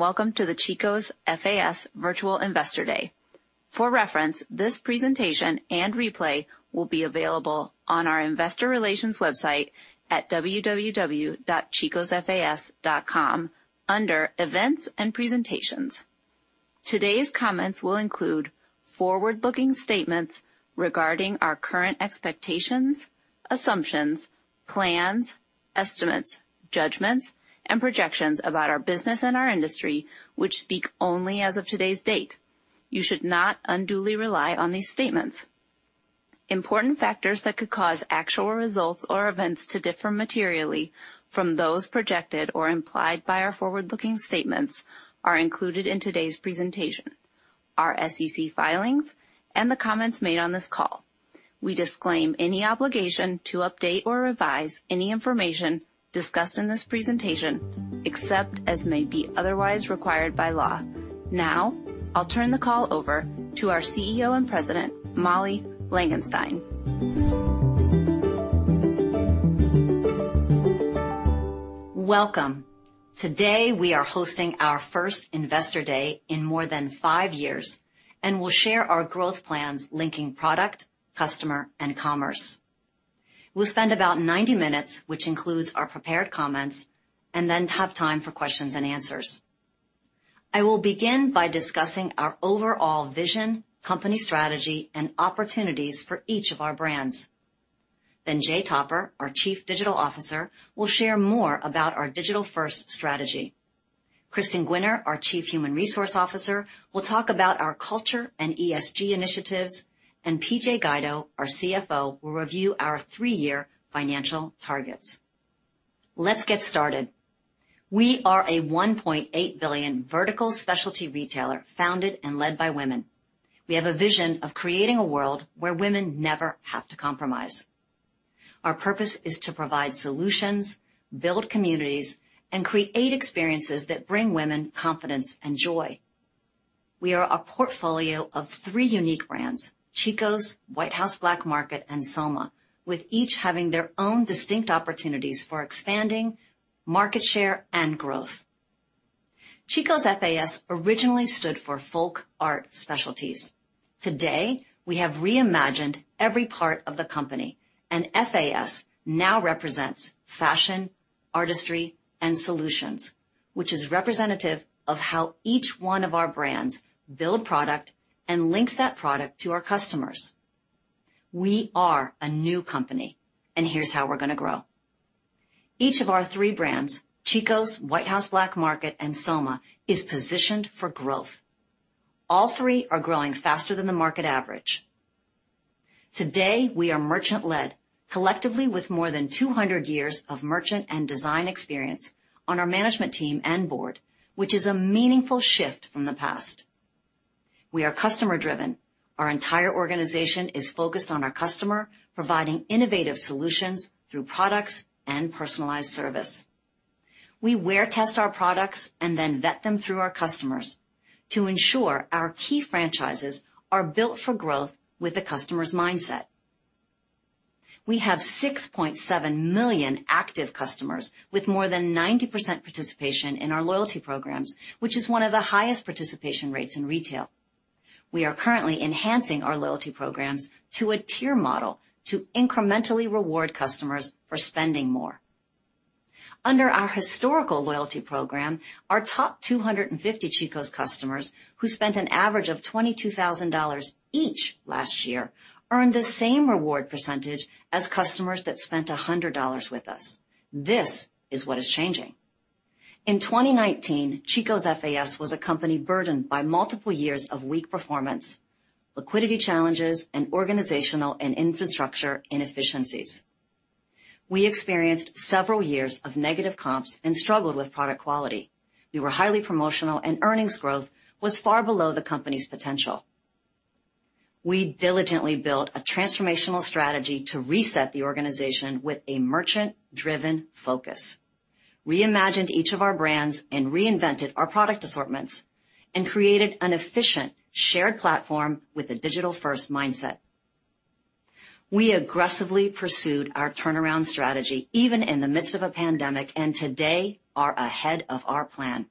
Welcome to the Chico's FAS Virtual Investor Day. For reference, this presentation and replay will be available on our investor relations website at www.chicosfas.com under Events and Presentations. Today's comments will include forward-looking statements regarding our current expectations, assumptions, plans, estimates, judgments, and projections about our business and our industry, which speak only as of today's date. You should not unduly rely on these statements. Important factors that could cause actual results or events to differ materially from those projected or implied by our forward-looking statements are included in today's presentation, our SEC filings, and the comments made on this call. We disclaim any obligation to update or revise any information discussed in this presentation, except as may be otherwise required by law. Now, I'll turn the call over to our CEO and President, Molly Langenstein. Welcome. Today, we are hosting our first Investor Day in more than five years, and we'll share our growth plans linking product, customer, and commerce. We'll spend about 90 minutes, which includes our prepared comments, and then have time for questions and answers. I will begin by discussing our overall vision, company strategy, and opportunities for each of our brands. Then Jay Topper, our Chief Digital Officer, will share more about our digital-first strategy. Kristin Gwinner, our Chief Human Resources Officer, will talk about our culture and ESG initiatives, and PJ Guido, our CFO, will review our three-year financial targets. Let's get started. We are a $1.8 billion vertical specialty retailer founded and led by women. We have a vision of creating a world where women never have to compromise. Our purpose is to provide solutions, build communities, and create experiences that bring women confidence and joy. We are a portfolio of three unique brands, Chico's, White House Black Market, and Soma, with each having their own distinct opportunities for expanding market share and growth. Chico's FAS originally stood for Folk Art Specialties. Today, we have reimagined every part of the company, and FAS now represents Fashion, Artistry, and Solutions, which is representative of how each one of our brands build product and links that product to our customers. We are a new company, and here's how we're gonna grow. Each of our three brands, Chico's, White House Black Market, and Soma, is positioned for growth. All three are growing faster than the market average. Today, we are merchant-led, collectively with more than 200 years of merchant and design experience on our management team and board, which is a meaningful shift from the past. We are customer-driven. Our entire organization is focused on our customer, providing innovative solutions through products and personalized service. We wear test our products and then vet them through our customers to ensure our key franchises are built for growth with the customer's mindset. We have 6.7 million active customers with more than 90% participation in our loyalty programs, which is one of the highest participation rates in retail. We are currently enhancing our loyalty programs to a tier model to incrementally reward customers for spending more. Under our historical loyalty program, our top 250 Chico's customers who spent an average of $22,000 each last year earned the same reward percentage as customers that spent $100 with us. This is what is changing. In 2019, Chico's FAS was a company burdened by multiple years of weak performance, liquidity challenges, and organizational and infrastructure inefficiencies. We experienced several years of negative comps and struggled with product quality. We were highly promotional, and earnings growth was far below the company's potential. We diligently built a transformational strategy to reset the organization with a merchant-driven focus, reimagined each of our brands, and reinvented our product assortments and created an efficient shared platform with a digital-first mindset. We aggressively pursued our turnaround strategy even in the midst of a pandemic, and today are ahead of our plan.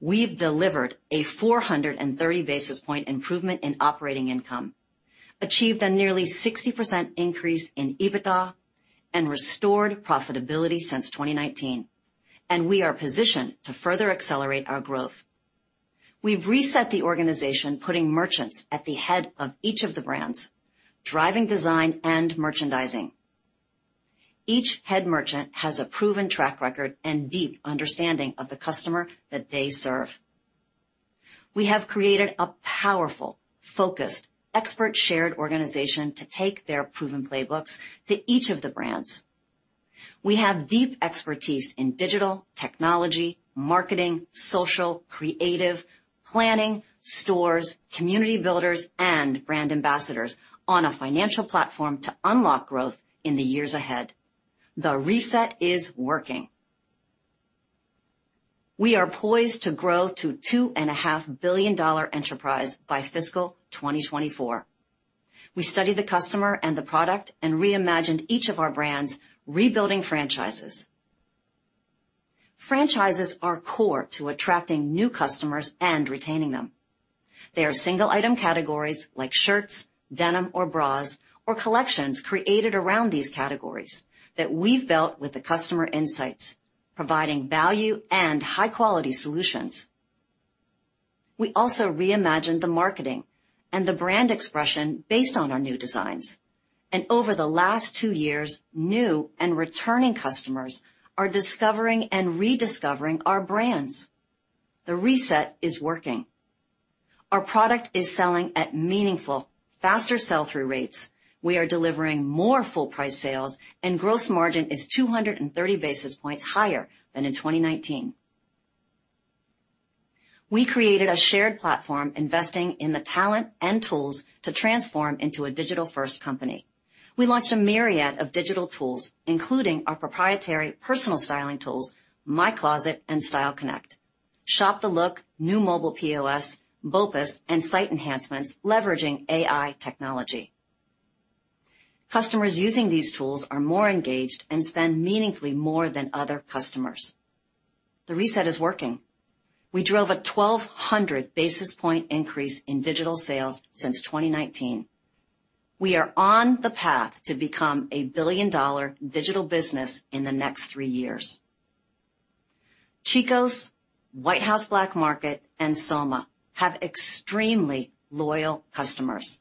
We've delivered a 430 basis point improvement in operating income, achieved a nearly 60% increase in EBITDA, and restored profitability since 2019, and we are positioned to further accelerate our growth. We've reset the organization, putting merchants at the head of each of the brands, driving design and merchandising. Each head merchant has a proven track record and deep understanding of the customer that they serve. We have created a powerful, focused, expert-shared organization to take their proven playbooks to each of the brands. We have deep expertise in digital, technology, marketing, social, creative, planning, stores, community builders, and brand ambassadors on a financial platform to unlock growth in the years ahead. The reset is working. We are poised to grow to $2.5 billion enterprise by fiscal 2024. We studied the customer and the product and reimagined each of our brands, rebuilding franchises. Franchises are core to attracting new customers and retaining them. They are single item categories like shirts, denim or bras, or collections created around these categories that we've built with the customer insights, providing value and high-quality solutions. We also reimagined the marketing and the brand expression based on our new designs. Over the last two years, new and returning customers are discovering and rediscovering our brands. The reset is working. Our product is selling at meaningful, faster sell-through rates. We are delivering more full price sales and gross margin is 230 basis points higher than in 2019. We created a shared platform investing in the talent and tools to transform into a digital-first company. We launched a myriad of digital tools, including our proprietary personal styling tools, My Closet and Style Connect, Shop The Look, new mobile POS, BOPIS, and site enhancements leveraging AI technology. Customers using these tools are more engaged and spend meaningfully more than other customers. The reset is working. We drove a 1,200 basis point increase in digital sales since 2019. We are on the path to become a $1 billion digital business in the next three years. Chico's, White House Black Market, and Soma have extremely loyal customers.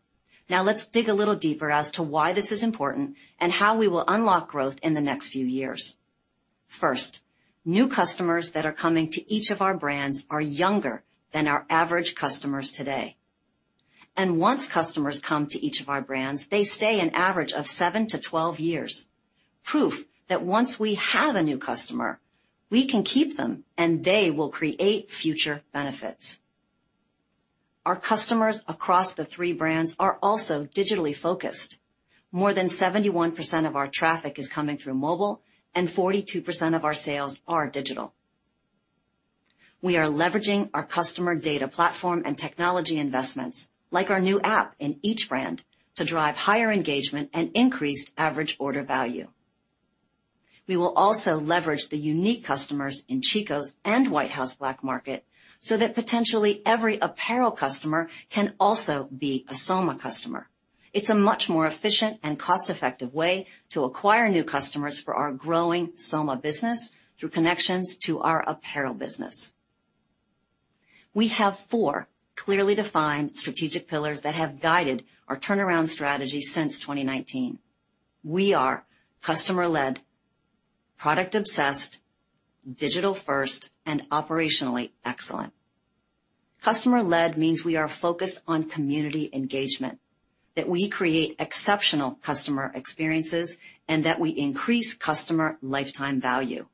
Now let's dig a little deeper as to why this is important and how we will unlock growth in the next few years. First, new customers that are coming to each of our brands are younger than our average customers today. Once customers come to each of our brands, they stay an average of seven years-12 years. Proof that once we have a new customer, we can keep them and they will create future benefits. Our customers across the three brands are also digitally focused. More than 71% of our traffic is coming through mobile, and 42% of our sales are digital. We are leveraging our customer data platform and technology investments, like our new app in each brand, to drive higher engagement and increased average order value. We will also leverage the unique customers in Chico's and White House Black Market so that potentially every apparel customer can also be a Soma customer. It's a much more efficient and cost-effective way to acquire new customers for our growing Soma business through connections to our apparel business. We have four clearly defined strategic pillars that have guided our turnaround strategy since 2019. We are customer-led, product-obsessed, digital-first, and operationally excellent. Customer-led means we are focused on community engagement, that we create exceptional customer experiences, and that we increase customer lifetime value.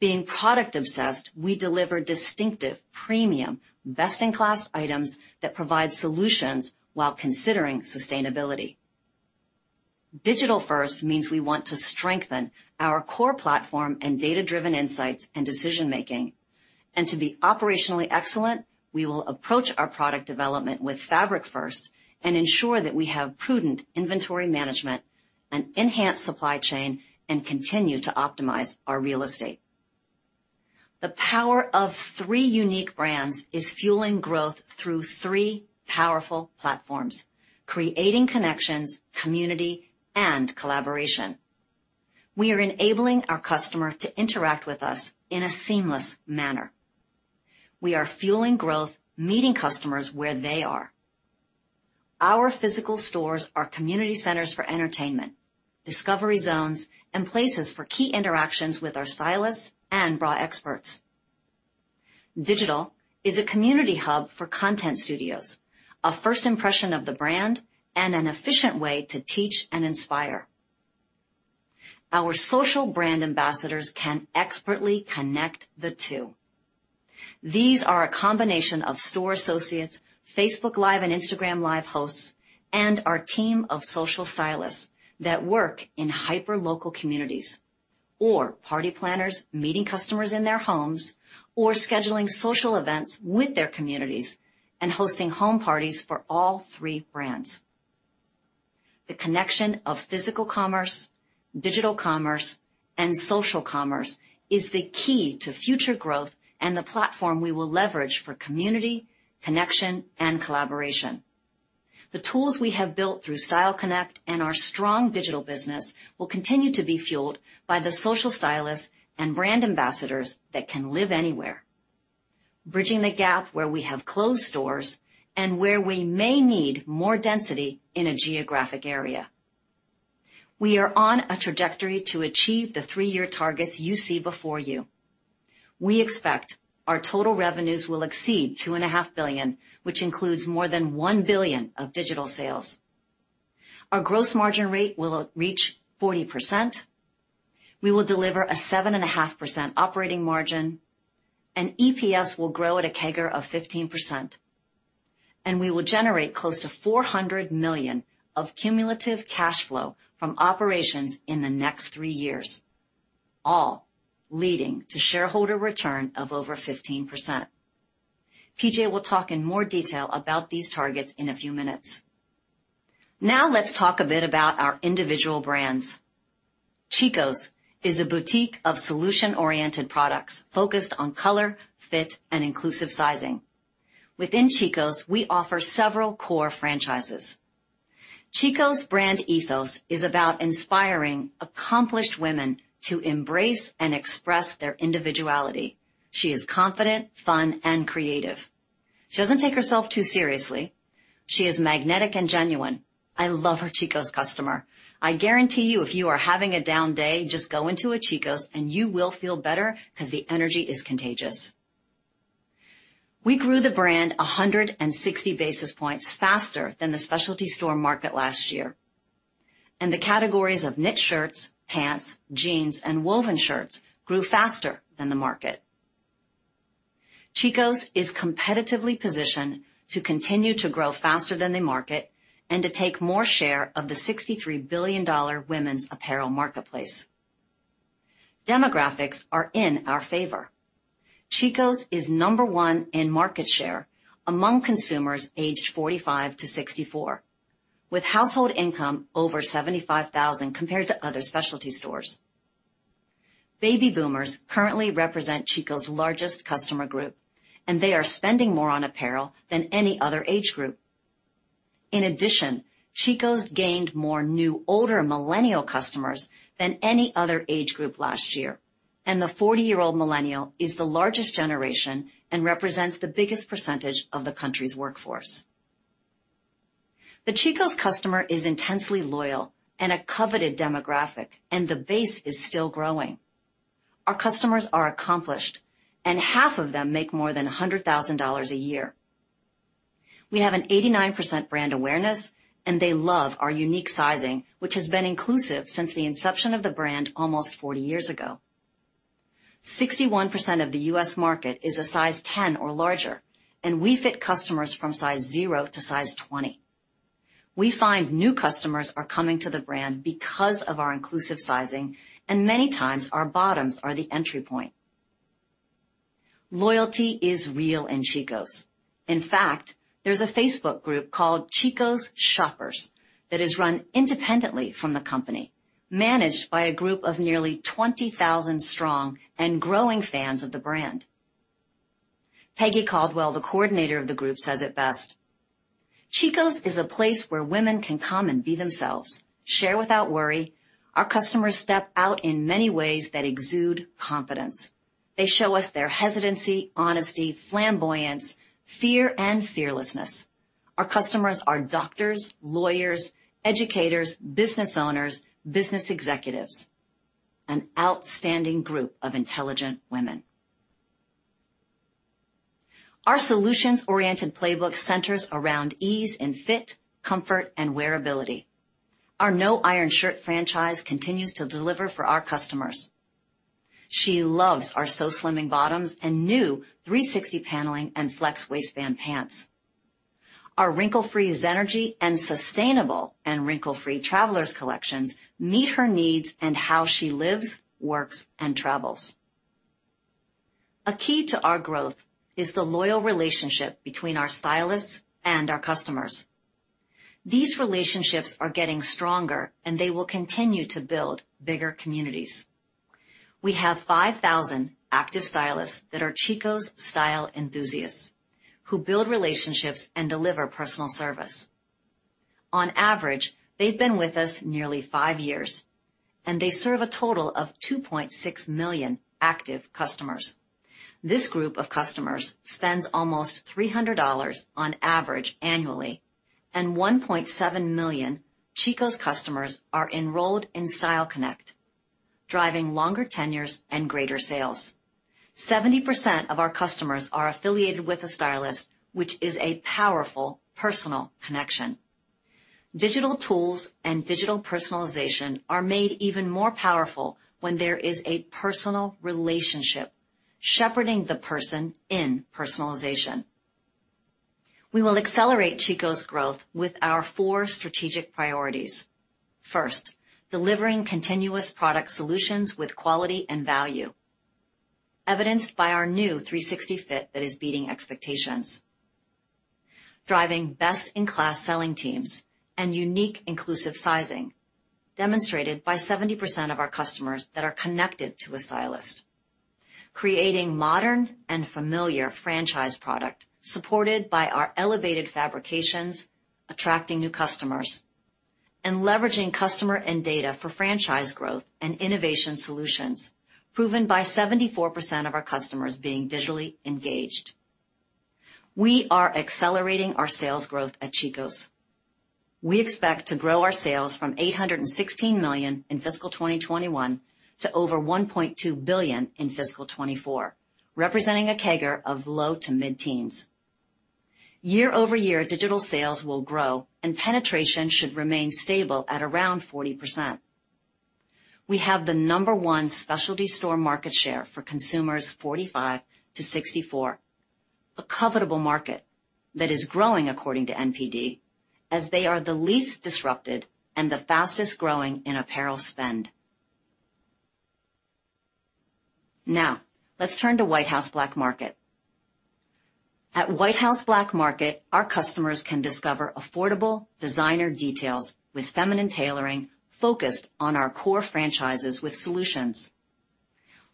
Being product-obsessed, we deliver distinctive, premium, best-in-class items that provide solutions while considering sustainability. Digital-first means we want to strengthen our core platform and data-driven insights and decision-making. To be operationally excellent, we will approach our product development with fabric first and ensure that we have prudent inventory management and enhanced supply chain and continue to optimize our real estate. The power of three unique brands is fueling growth through three powerful platforms, creating connections, community, and collaboration. We are enabling our customer to interact with us in a seamless manner. We are fueling growth, meeting customers where they are. Our physical stores are community centers for entertainment, discovery zones, and places for key interactions with our stylists and bra experts. Digital is a community hub for content studios, a first impression of the brand, and an efficient way to teach and inspire. Our social brand ambassadors can expertly connect the two. These are a combination of store associates, Facebook Live and Instagram Live hosts, and our team of social stylists that work in hyper local communities, or party planners meeting customers in their homes, or scheduling social events with their communities and hosting home parties for all three brands. The connection of physical commerce, digital commerce, and social commerce is the key to future growth and the platform we will leverage for community, connection, and collaboration. The tools we have built through Style Connect and our strong digital business will continue to be fueled by the social stylists and brand ambassadors that can live anywhere, bridging the gap where we have closed stores and where we may need more density in a geographic area. We are on a trajectory to achieve the three-year targets you see before you. We expect our total revenues will exceed $2.5 billion, which includes more than $1 billion of digital sales. Our gross margin rate will reach 40%. We will deliver a 7.5% operating margin, and EPS will grow at a CAGR of 15%. We will generate close to $400 million of cumulative cash flow from operations in the next three years, all leading to shareholder return of over 15%. PJ will talk in more detail about these targets in a few minutes. Now let's talk a bit about our individual brands. Chico's is a boutique of solution-oriented products focused on color, fit, and inclusive sizing. Within Chico's, we offer several core franchises. Chico's brand ethos is about inspiring accomplished women to embrace and express their individuality. She is confident, fun, and creative. She doesn't take herself too seriously. She is magnetic and genuine. I love our Chico's customer. I guarantee you, if you are having a down day, just go into a Chico's, and you will feel better 'cause the energy is contagious. We grew the brand 160 basis points faster than the specialty store market last year. The categories of knit shirts, pants, jeans, and woven shirts grew faster than the market. Chico's is competitively positioned to continue to grow faster than the market and to take more share of the $63 billion women's apparel marketplace. Demographics are in our favor. Chico's is number one in market share among consumers aged 45-64, with household income over $75,000 compared to other specialty stores. Baby boomers currently represent Chico's largest customer group, and they are spending more on apparel than any other age group. In addition, Chico's gained more new older millennial customers than any other age group last year. The 40-year-old millennial is the largest generation and represents the biggest percentage of the country's workforce. The Chico's customer is intensely loyal and a coveted demographic, and the base is still growing. Our customers are accomplished, and half of them make more than $100,000 a year. We have an 89% brand awareness, and they love our unique sizing, which has been inclusive since the inception of the brand almost 40 years ago. 61% of the U.S. market is a size 10 or larger, and we fit customers from size zero=size 20. We find new customers are coming to the brand because of our inclusive sizing, and many times our bottoms are the entry point. Loyalty is real in Chico's. In fact, there's a Facebook group called Chico's Shoppers that is run independently from the company, managed by a group of nearly 20,000 strong and growing fans of the brand. Peggy Caldwell, the coordinator of the group, says it best, "Chico's is a place where women can come and be themselves, share without worry. Our customers step out in many ways that exude confidence. They show us their hesitancy, honesty, flamboyance, fear, and fearlessness. Our customers are doctors, lawyers, educators, business owners, business executives, an outstanding group of intelligent women." Our solutions-oriented playbook centers around ease and fit, comfort, and wearability. Our No Iron Shirt franchise continues to deliver for our customers. She loves our So Slimming bottoms and new 360 paneling and flex waistband pants. Our wrinkle-free Zenergy and sustainable and wrinkle-free Travelers collections meet her needs in how she lives, works, and travels. A key to our growth is the loyal relationship between our stylists and our customers. These relationships are getting stronger, and they will continue to build bigger communities. We have 5,000 active stylists that are Chico's style enthusiasts who build relationships and deliver personal service. On average, they've been with us nearly five years, and they serve a total of 2.6 million active customers. This group of customers spends almost $300 on average annually, and 1.7 million Chico's customers are enrolled in Style Connect, driving longer tenures and greater sales. 70% of our customers are affiliated with a stylist, which is a powerful personal connection. Digital tools and digital personalization are made even more powerful when there is a personal relationship shepherding the person in personalization. We will accelerate Chico's growth with our four strategic priorities. First, delivering continuous product solutions with quality and value, evidenced by our new 360 fit that is beating expectations. Driving best-in-class selling teams and unique inclusive sizing, demonstrated by 70% of our customers that are connected to a stylist. Creating modern and familiar franchise product supported by our elevated fabrications, attracting new customers. Leveraging customer and data for franchise growth and innovation solutions, proven by 74% of our customers being digitally engaged. We are accelerating our sales growth at Chico's. We expect to grow our sales from $816 million in fiscal 2021 to over $1.2 billion in fiscal 2024, representing a CAGR of low-to-mid-teens. YoY digital sales will grow, and penetration should remain stable at around 40%. We have the number one specialty store market share for consumers 45-64. A covetable market that is growing according to NPD, as they are the least disrupted and the fastest-growing in apparel spend. Now, let's turn to White House Black Market. At White House Black Market, our customers can discover affordable designer details with feminine tailoring focused on our core franchises with solutions.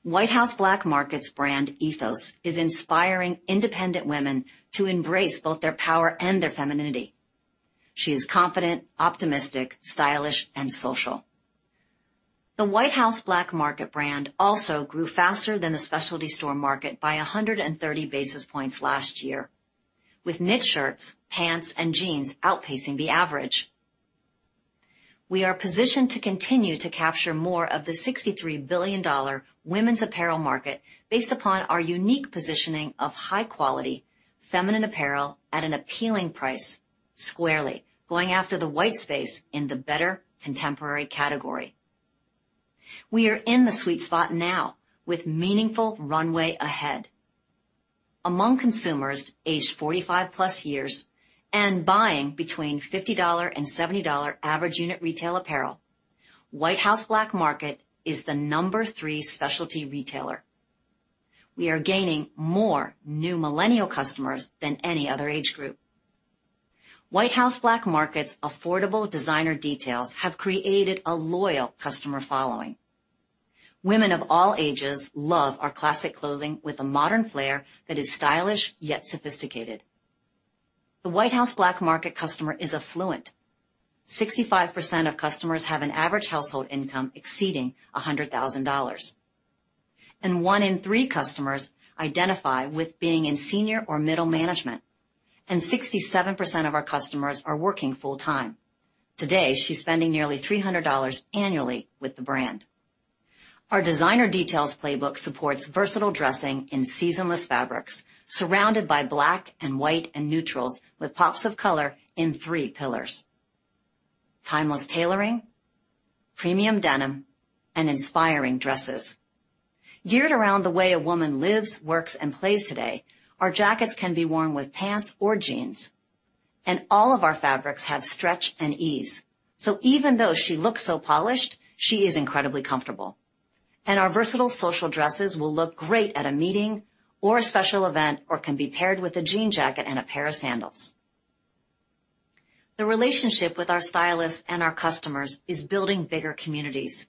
White House Black Market's brand ethos is inspiring independent women to embrace both their power and their femininity. She is confident, optimistic, stylish, and social. The White House Black Market brand also grew faster than the specialty store market by 100 basis points last year, with knit shirts, pants, and jeans outpacing the average. We are positioned to continue to capture more of the $63 billion women's apparel market based upon our unique positioning of high quality, feminine apparel at an appealing price, squarely going after the white space in the better contemporary category. We are in the sweet spot now with meaningful runway ahead. Among consumers aged 45+ years and buying between $50 and $70 average unit retail apparel, White House Black Market is the number three specialty retailer. We are gaining more new millennial customers than any other age group. White House Black Market's affordable designer details have created a loyal customer following. Women of all ages love our classic clothing with a modern flair that is stylish yet sophisticated. The White House Black Market customer is affluent. 65% of customers have an average household income exceeding $100,000. One in three customers identify with being in senior or middle management, and 67% of our customers are working full time. Today, she's spending nearly $300 annually with the brand. Our designer details playbook supports versatile dressing in seasonless fabrics, surrounded by black and white and neutrals with pops of color in three pillars: timeless tailoring, premium denim, and inspiring dresses. Geared around the way a woman lives, works, and plays today, our jackets can be worn with pants or jeans, and all of our fabrics have stretch and ease. Even though she looks so polished, she is incredibly comfortable. Our versatile social dresses will look great at a meeting or a special event, or can be paired with a jean jacket and a pair of sandals. The relationship with our stylists and our customers is building bigger communities.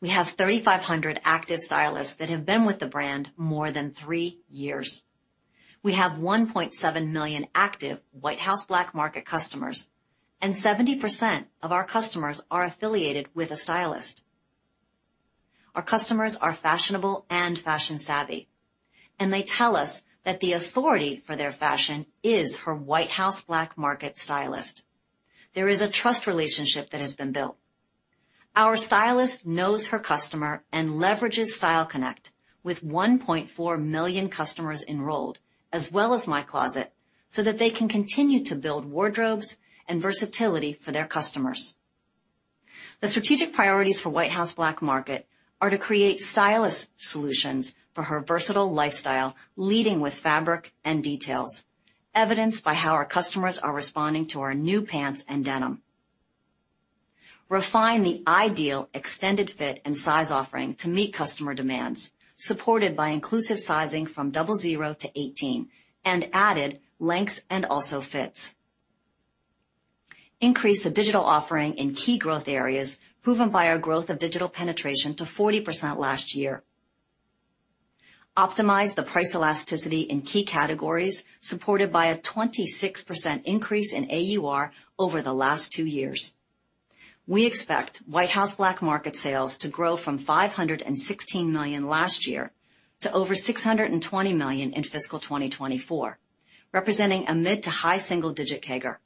We have 3,500 active stylists that have been with the brand more than three years. We have 1.7 million active White House Black Market customers, and 70% of our customers are affiliated with a stylist. Our customers are fashionable and fashion-savvy, and they tell us that the authority for their fashion is her White House Black Market stylist. There is a trust relationship that has been built. Our stylist knows her customer and leverages Style Connect with 1.4 million customers enrolled, as well as My Closet, so that they can continue to build wardrobes and versatility for their customers. The strategic priorities for White House Black Market are to create stylist solutions for her versatile lifestyle, leading with fabric and details. Evidenced by how our customers are responding to our new pants and denim. Refine the ideal extended fit and size offering to meet customer demands, supported by inclusive sizing from double zero-18 and added lengths and also fits. Increase the digital offering in key growth areas, proven by our growth of digital penetration to 40% last year. Optimize the price elasticity in key categories, supported by a 26% increase in AUR over the last two years. We expect White House Black Market sales to grow from $516 million last year to over $620 million in fiscal 2024, representing a mid- to high-single-digit CAGR.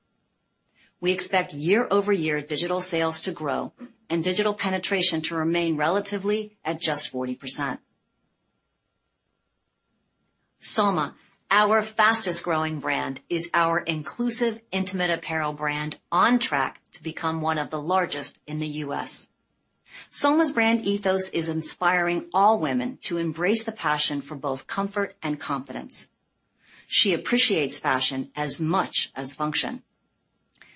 We expect year-over-year digital sales to grow and digital penetration to remain relatively at just 40%. Soma, our fastest-growing brand, is our inclusive intimate apparel brand on track to become one of the largest in the U.S. Soma's brand ethos is inspiring all women to embrace the passion for both comfort and confidence. She appreciates fashion as much as function.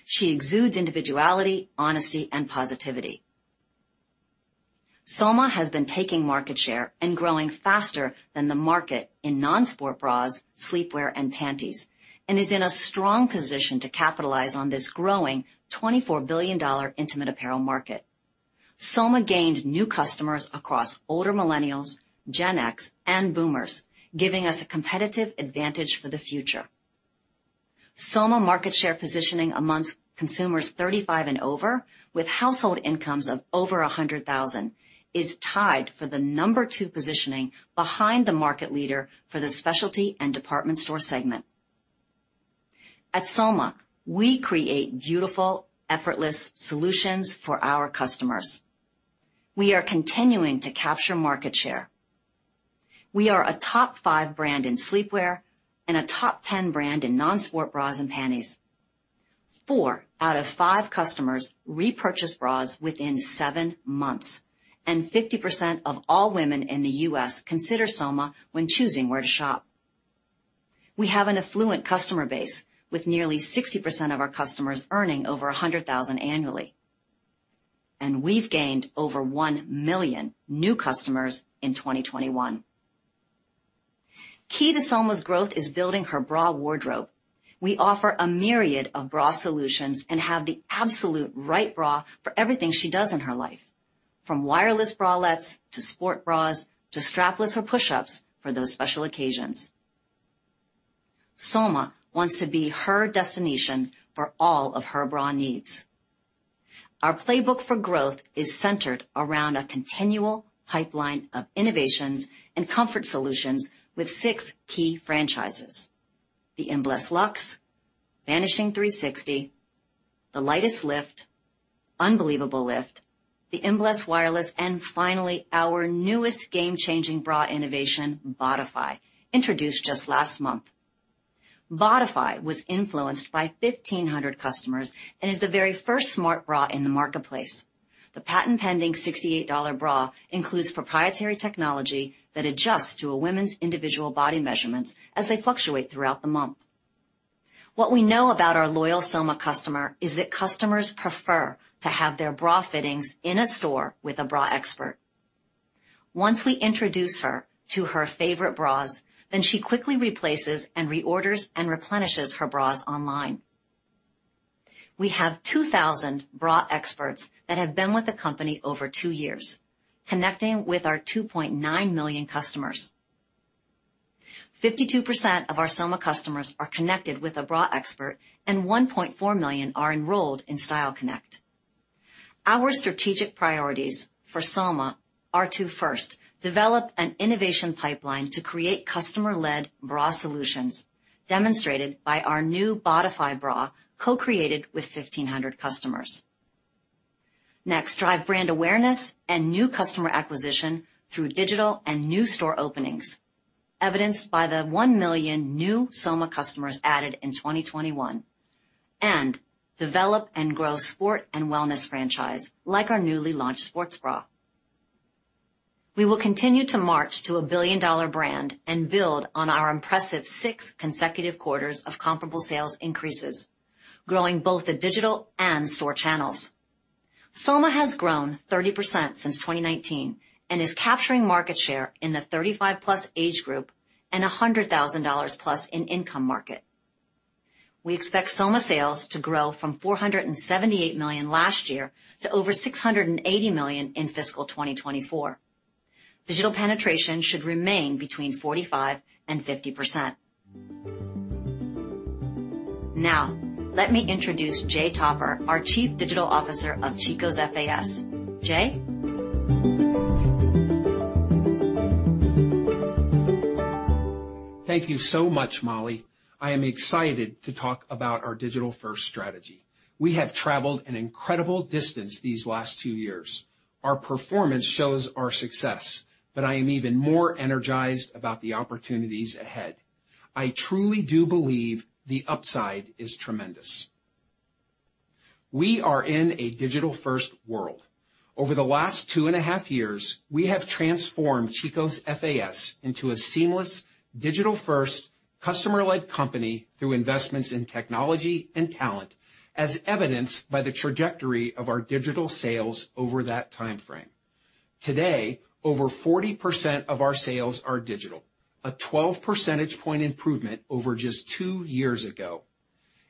She exudes individuality, honesty, and positivity. Soma has been taking market share and growing faster than the market in non-sport bras, sleepwear, and panties, and is in a strong position to capitalize on this growing $24 billion intimate apparel market. Soma gained new customers across older millennials, Gen X, and boomers, giving us a competitive advantage for the future. Soma market share positioning amongst consumers 35 and over with household incomes of over $100,000 is tied for the number two positioning behind the market leader for the specialty and department store segment. At Soma, we create beautiful, effortless solutions for our customers. We are continuing to capture market share. We are a top five brand in sleepwear and a top 10 brand in non-sport bras and panties. four out of five customers repurchase bras within seven months, and 50% of all women in the U.S. consider Soma when choosing where to shop. We have an affluent customer base, with nearly 60% of our customers earning over $100,000 annually. We've gained over 1 million new customers in 2021. Key to Soma's growth is building her bra wardrobe. We offer a myriad of bra solutions and have the absolute right bra for everything she does in her life, from wireless bralettes to sports bras to strapless or push-ups for those special occasions. Soma wants to be her destination for all of her bra needs. Our playbook for growth is centered around a continual pipeline of innovations and comfort solutions with six key franchises, the Enbliss Luxe, Vanishing 360, Lightest Lift, Unbelievable Lift, the Enbliss Wireless, and finally, our newest game-changing bra innovation, Bodify, introduced just last month. Bodify was influenced by 1,500 customers and is the very first smart bra in the marketplace. The patent-pending $68 bra includes proprietary technology that adjusts to a woman's individual body measurements as they fluctuate throughout the month. What we know about our loyal Soma customer is that customers prefer to have their bra fittings in a store with a bra expert. Once we introduce her to her favorite bras, then she quickly replaces and reorders and replenishes her bras online. We have 2,000 bra experts that have been with the company over two years, connecting with our 2.9 million customers. 52% of our Soma customers are connected with a bra expert, and 1.4 million are enrolled in Style Connect. Our strategic priorities for Soma are to, first, develop an innovation pipeline to create customer-led bra solutions, demonstrated by our new Bodify bra, co-created with 1,500 customers. Next, drive brand awareness and new customer acquisition through digital and new store openings, evidenced by the 1 million new Soma customers added in 2021. Develop and grow sport and wellness franchise, like our newly launched sports bra. We will continue to march to a billion-dollar brand and build on our impressive six consecutive quarters of comparable sales increases, growing both the digital and store channels. Soma has grown 30% since 2019 and is capturing market share in the 35+ age group and $100,000+ in income market. We expect Soma sales to grow from $478 million last year to over $680 million in fiscal 2024. Digital penetration should remain between 45% and 50%. Now, let me introduce Jay Topper, our Chief Digital Officer of Chico's FAS. Jay. Thank you so much, Molly. I am excited to talk about our digital-first strategy. We have traveled an incredible distance these last two years. Our performance shows our success, but I am even more energized about the opportunities ahead. I truly do believe the upside is tremendous. We are in a digital-first world. Over the last two and a half years, we have transformed Chico's FAS into a seamless digital-first customer-led company through investments in technology and talent, as evidenced by the trajectory of our digital sales over that timeframe. Today, over 40% of our sales are digital, a 12 percentage point improvement over just two years ago.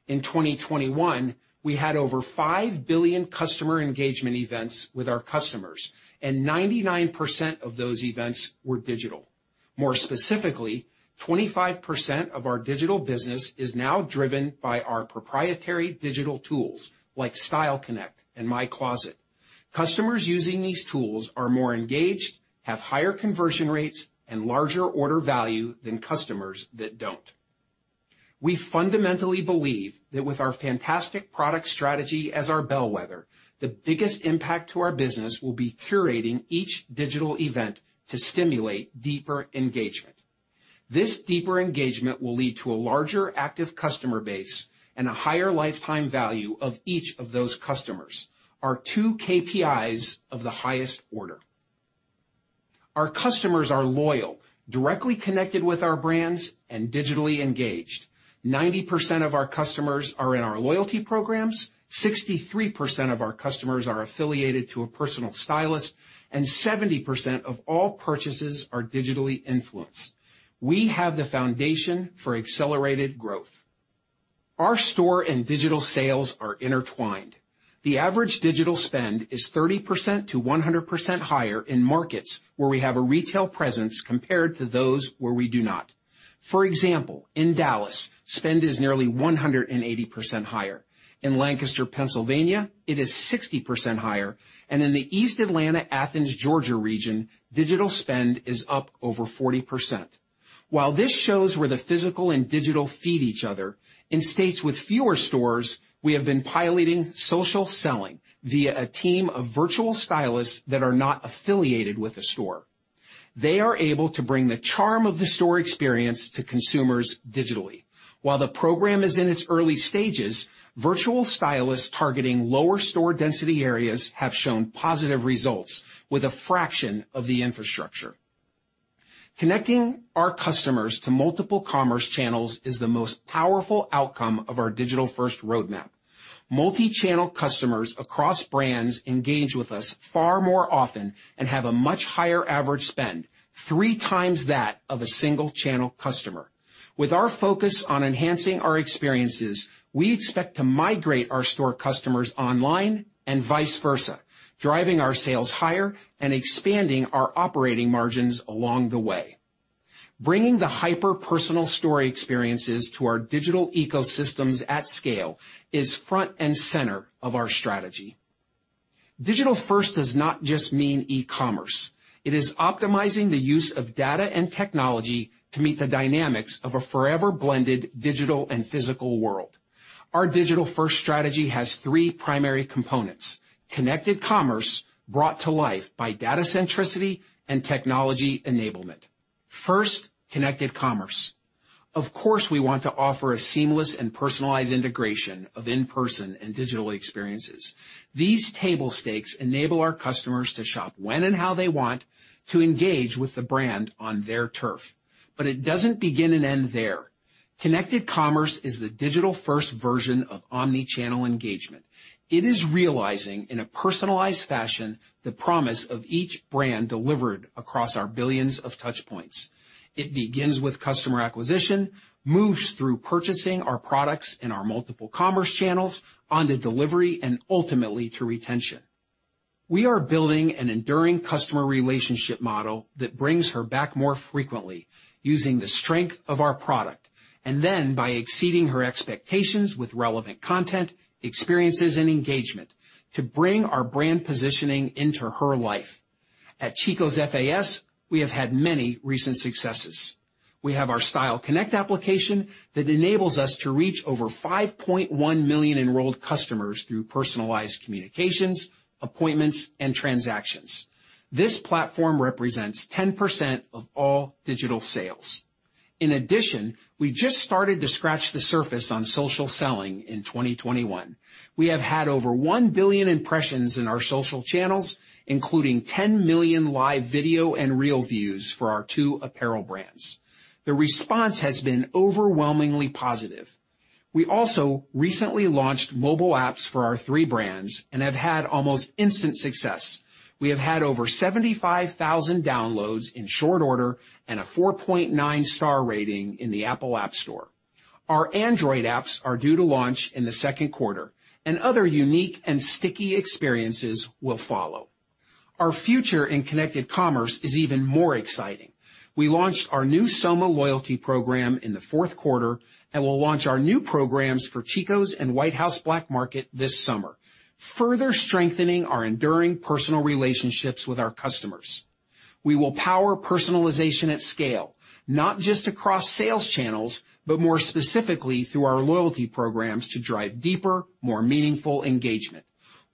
In 2021, we had over 5 billion customer engagement events with our customers, and 99% of those events were digital. More specifically, 25% of our digital business is now driven by our proprietary digital tools like Style Connect and My Closet. Customers using these tools are more engaged, have higher conversion rates and larger order value than customers that don't. We fundamentally believe that with our fantastic product strategy as our bellwether, the biggest impact to our business will be curating each digital event to stimulate deeper engagement. This deeper engagement will lead to a larger active customer base and a higher lifetime value of each of those customers, our two KPIs of the highest order. Our customers are loyal, directly connected with our brands, and digitally engaged. 90% of our customers are in our loyalty programs, 63% of our customers are affiliated to a personal stylist, and 70% of all purchases are digitally influenced. We have the foundation for accelerated growth. Our store and digital sales are intertwined. The average digital spend is 30%-100% higher in markets where we have a retail presence compared to those where we do not. For example, in Dallas, spend is nearly 180% higher. In Lancaster, Pennsylvania, it is 60% higher. In the East Atlanta, Athens, Georgia region, digital spend is up over 40%. While this shows where the physical and digital feed each other, in states with fewer stores, we have been piloting social selling via a team of virtual stylists that are not affiliated with the store. They are able to bring the charm of the store experience to consumers digitally. While the program is in its early stages, virtual stylists targeting lower store density areas have shown positive results with a fraction of the infrastructure. Connecting our customers to multiple commerce channels is the most powerful outcome of our digital-first roadmap. Multi-channel customers across brands engage with us far more often and have a much higher average spend, 3x that of a single channel customer. With our focus on enhancing our experiences, we expect to migrate our store customers online and vice versa, driving our sales higher and expanding our operating margins along the way. Bringing the hyper-personalized experiences to our digital ecosystems at scale is front and center of our strategy. Digital first does not just mean e-commerce. It is optimizing the use of data and technology to meet the dynamics of a forever blended digital and physical world. Our digital-first strategy has three primary components, connected commerce brought to life by data centricity and technology enablement. First, connected commerce. Of course, we want to offer a seamless and personalized integration of in-person and digital experiences. These table stakes enable our customers to shop when and how they want to engage with the brand on their turf. It doesn't begin and end there. Connected commerce is the digital-first version of omni-channel engagement. It is realizing in a personalized fashion the promise of each brand delivered across our billions of touch points. It begins with customer acquisition, moves through purchasing our products in our multiple commerce channels on to delivery and ultimately to retention. We are building an enduring customer relationship model that brings her back more frequently using the strength of our product, and then by exceeding her expectations with relevant content, experiences, and engagement to bring our brand positioning into her life. At Chico's FAS, we have had many recent successes. We have our Style Connect application that enables us to reach over 5.1 million enrolled customers through personalized communications, appointments, and transactions. This platform represents 10% of all digital sales. In addition, we just started to scratch the surface on social selling in 2021. We have had over 1 billion impressions in our social channels, including 10 million live video and reel views for our two apparel brands. The response has been overwhelmingly positive. We also recently launched mobile apps for our three brands and have had almost instant success. We have had over 75,000 downloads in short order and a 4.9 star rating in the Apple App Store. Our Android apps are due to launch in the Q2, and other unique and sticky experiences will follow. Our future in connected commerce is even more exciting. We launched our new Soma loyalty program in the Q4 and will launch our new programs for Chico's and White House Black Market this summer, further strengthening our enduring personal relationships with our customers. We will power personalization at scale, not just across sales channels, but more specifically through our loyalty programs to drive deeper, more meaningful engagement.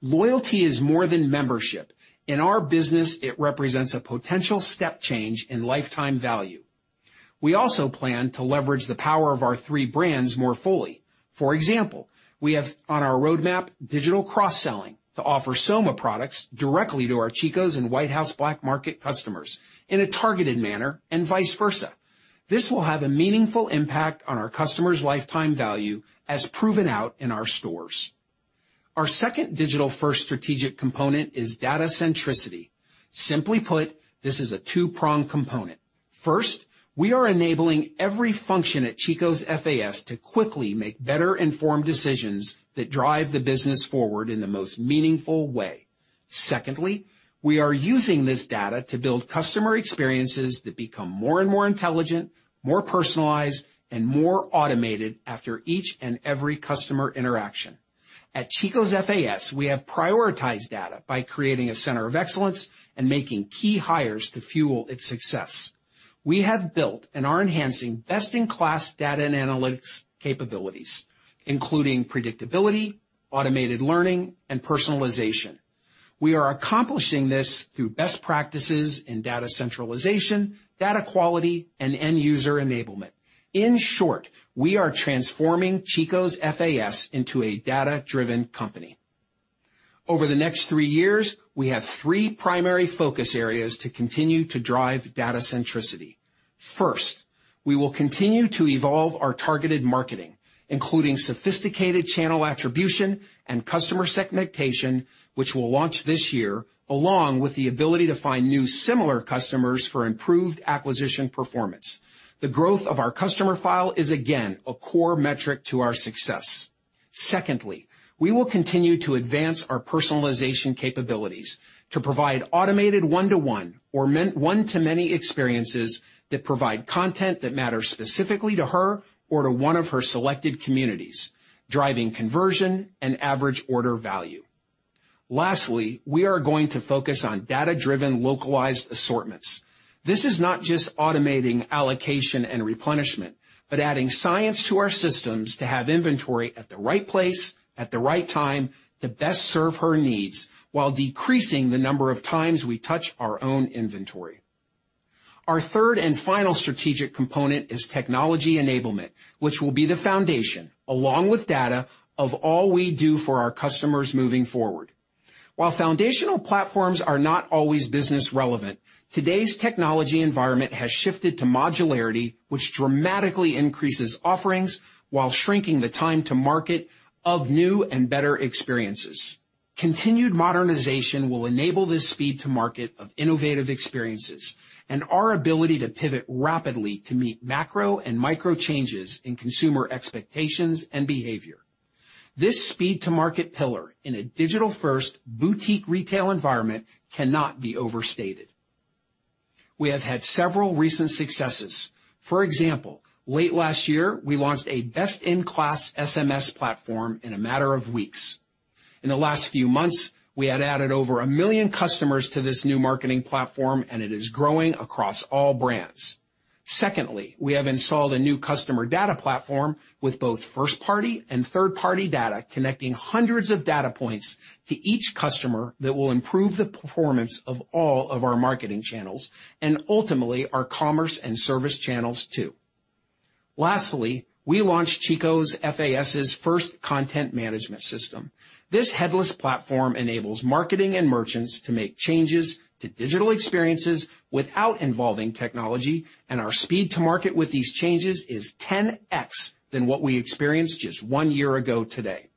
Loyalty is more than membership. In our business, it represents a potential step change in lifetime value. We also plan to leverage the power of our three brands more fully. For example, we have on our roadmap digital cross-selling to offer Soma products directly to our Chico's and White House Black Market customers in a targeted manner and vice versa. This will have a meaningful impact on our customer's lifetime value as proven out in our stores. Our second digital-first strategic component is data centricity. Simply put, this is a two-pronged component. First, we are enabling every function at Chico's FAS to quickly make better informed decisions that drive the business forward in the most meaningful way. Secondly, we are using this data to build customer experiences that become more and more intelligent, more personalized, and more automated after each and every customer interaction. At Chico's FAS, we have prioritized data by creating a center of excellence and making key hires to fuel its success. We have built and are enhancing best-in-class data and analytics capabilities, including predictability, automated learning, and personalization. We are accomplishing this through best practices in data centralization, data quality, and end-user enablement. In short, we are transforming Chico's FAS into a data-driven company. Over the next three years, we have three primary focus areas to continue to drive data centricity. First, we will continue to evolve our targeted marketing, including sophisticated channel attribution and customer segmentation, which will launch this year, along with the ability to find new similar customers for improved acquisition performance. The growth of our customer file is again a core metric to our success. Secondly, we will continue to advance our personalization capabilities to provide automated one-to-one or one-to-many experiences that provide content that matters specifically to her or to one of her selected communities, driving conversion and average order value. Lastly, we are going to focus on data-driven localized assortments. This is not just automating allocation and replenishment, but adding science to our systems to have inventory at the right place at the right time to best serve her needs while decreasing the number of times we touch our own inventory. Our third and final strategic component is technology enablement, which will be the foundation, along with data of all we do for our customers moving forward. While foundational platforms are not always business relevant, today's technology environment has shifted to modularity, which dramatically increases offerings while shrinking the time to market of new and better experiences. Continued modernization will enable this speed to market of innovative experiences and our ability to pivot rapidly to meet macro and micro changes in consumer expectations and behavior. This speed to market pillar in a digital-first boutique retail environment cannot be overstated. We have had several recent successes. For example, late last year, we launched a best-in-class SMS platform in a matter of weeks. In the last few months, we had added over 1 million customers to this new marketing platform, and it is growing across all brands. Secondly, we have installed a new customer data platform with both first-party and third-party data, connecting hundreds of data points to each customer that will improve the performance of all of our marketing channels and ultimately our commerce and service channels too. Lastly, we launched Chico's FAS' first content management system. This headless platform enables marketing and merchants to make changes to digital experiences without involving technology, and our speed to market with these changes is 10x than what we experienced just one year ago today.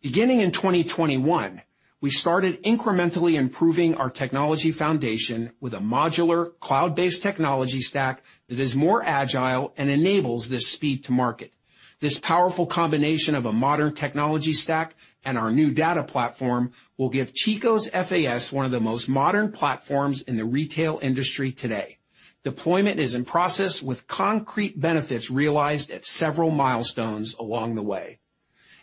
Beginning in 2021, we started incrementally improving our technology foundation with a modular cloud-based technology stack that is more agile and enables this speed to market. This powerful combination of a modern technology stack and our new data platform will give Chico's FAS one of the most modern platforms in the retail industry today. Deployment is in process with concrete benefits realized at several milestones along the way.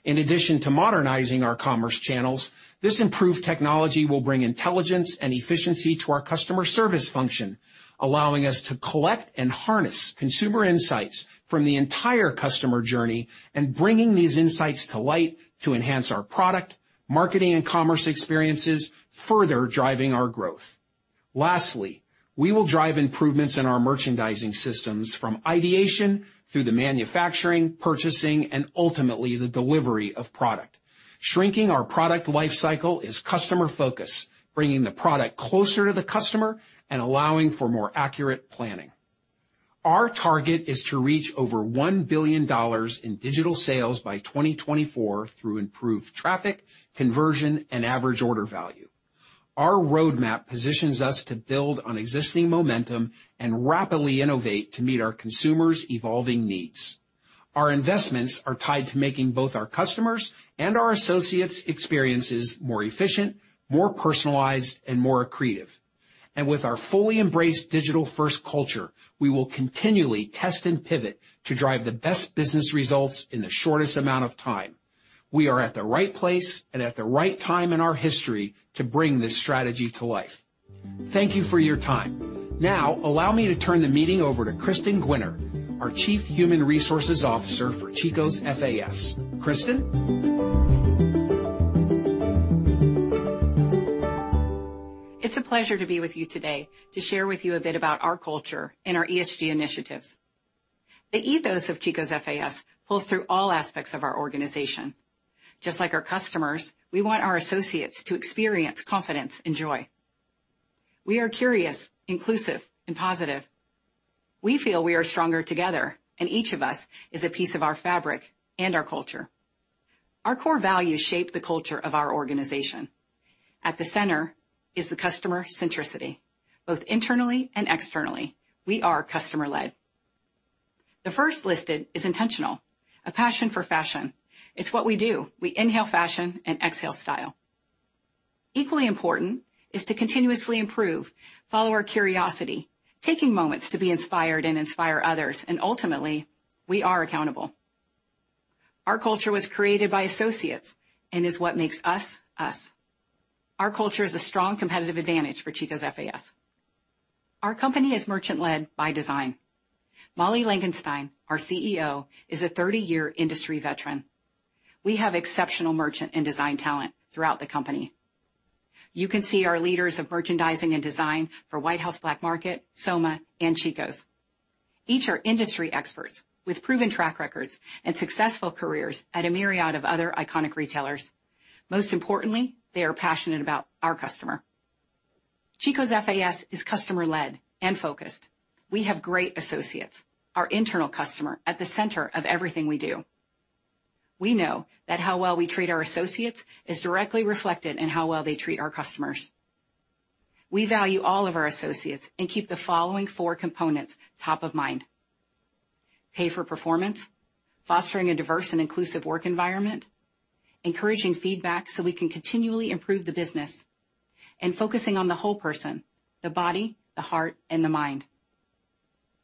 In addition to modernizing our commerce channels, this improved technology will bring intelligence and efficiency to our customer service function, allowing us to collect and harness consumer insights from the entire customer journey and bringing these insights to light to enhance our product, marketing, and commerce experiences further driving our growth. Lastly, we will drive improvements in our merchandising systems from ideation through the manufacturing, purchasing, and ultimately the delivery of product. Shrinking our product life cycle is customer focus, bringing the product closer to the customer and allowing for more accurate planning. Our target is to reach over $1 billion in digital sales by 2024 through improved traffic, conversion, and average order value. Our roadmap positions us to build on existing momentum and rapidly innovate to meet our consumers' evolving needs. Our investments are tied to making both our customers and our associates experiences more efficient, more personalized, and more creative. With our fully embraced digital-first culture, we will continually test and pivot to drive the best business results in the shortest amount of time. We are at the right place and at the right time in our history to bring this strategy to life. Thank you for your time. Now, allow me to turn the meeting over to Kristin Gwinner, our Chief Human Resources Officer for Chico's FAS. Kristin? It's a pleasure to be with you today to share with you a bit about our culture and our ESG initiatives. The ethos of Chico's FAS pulls through all aspects of our organization. Just like our customers, we want our associates to experience confidence and joy. We are curious, inclusive, and positive. We feel we are stronger together, and each of us is a piece of our fabric and our culture. Our core values shape the culture of our organization. At the center is the customer centricity, both internally and externally. We are customer-led. The first listed is intentional, a passion for fashion. It's what we do. We inhale fashion and exhale style. Equally important is to continuously improve, follow our curiosity, taking moments to be inspired and inspire others, and ultimately, we are accountable. Our culture was created by associates and is what makes us. Our culture is a strong competitive advantage for Chico's FAS. Our company is merchant-led by design. Molly Langenstein, our CEO, is a 30-year industry veteran. We have exceptional merchant and design talent throughout the company. You can see our leaders of merchandising and design for White House Black Market, Soma, and Chico's. Each are industry experts with proven track records and successful careers at a myriad of other iconic retailers. Most importantly, they are passionate about our customer. Chico's FAS is customer-led and focused. We have great associates, our internal customer at the center of everything we do. We know that how well we treat our associates is directly reflected in how well they treat our customers. We value all of our associates and keep the following four components top of mind, pay for performance, fostering a diverse and inclusive work environment, encouraging feedback so we can continually improve the business, and focusing on the whole person, the body, the heart, and the mind.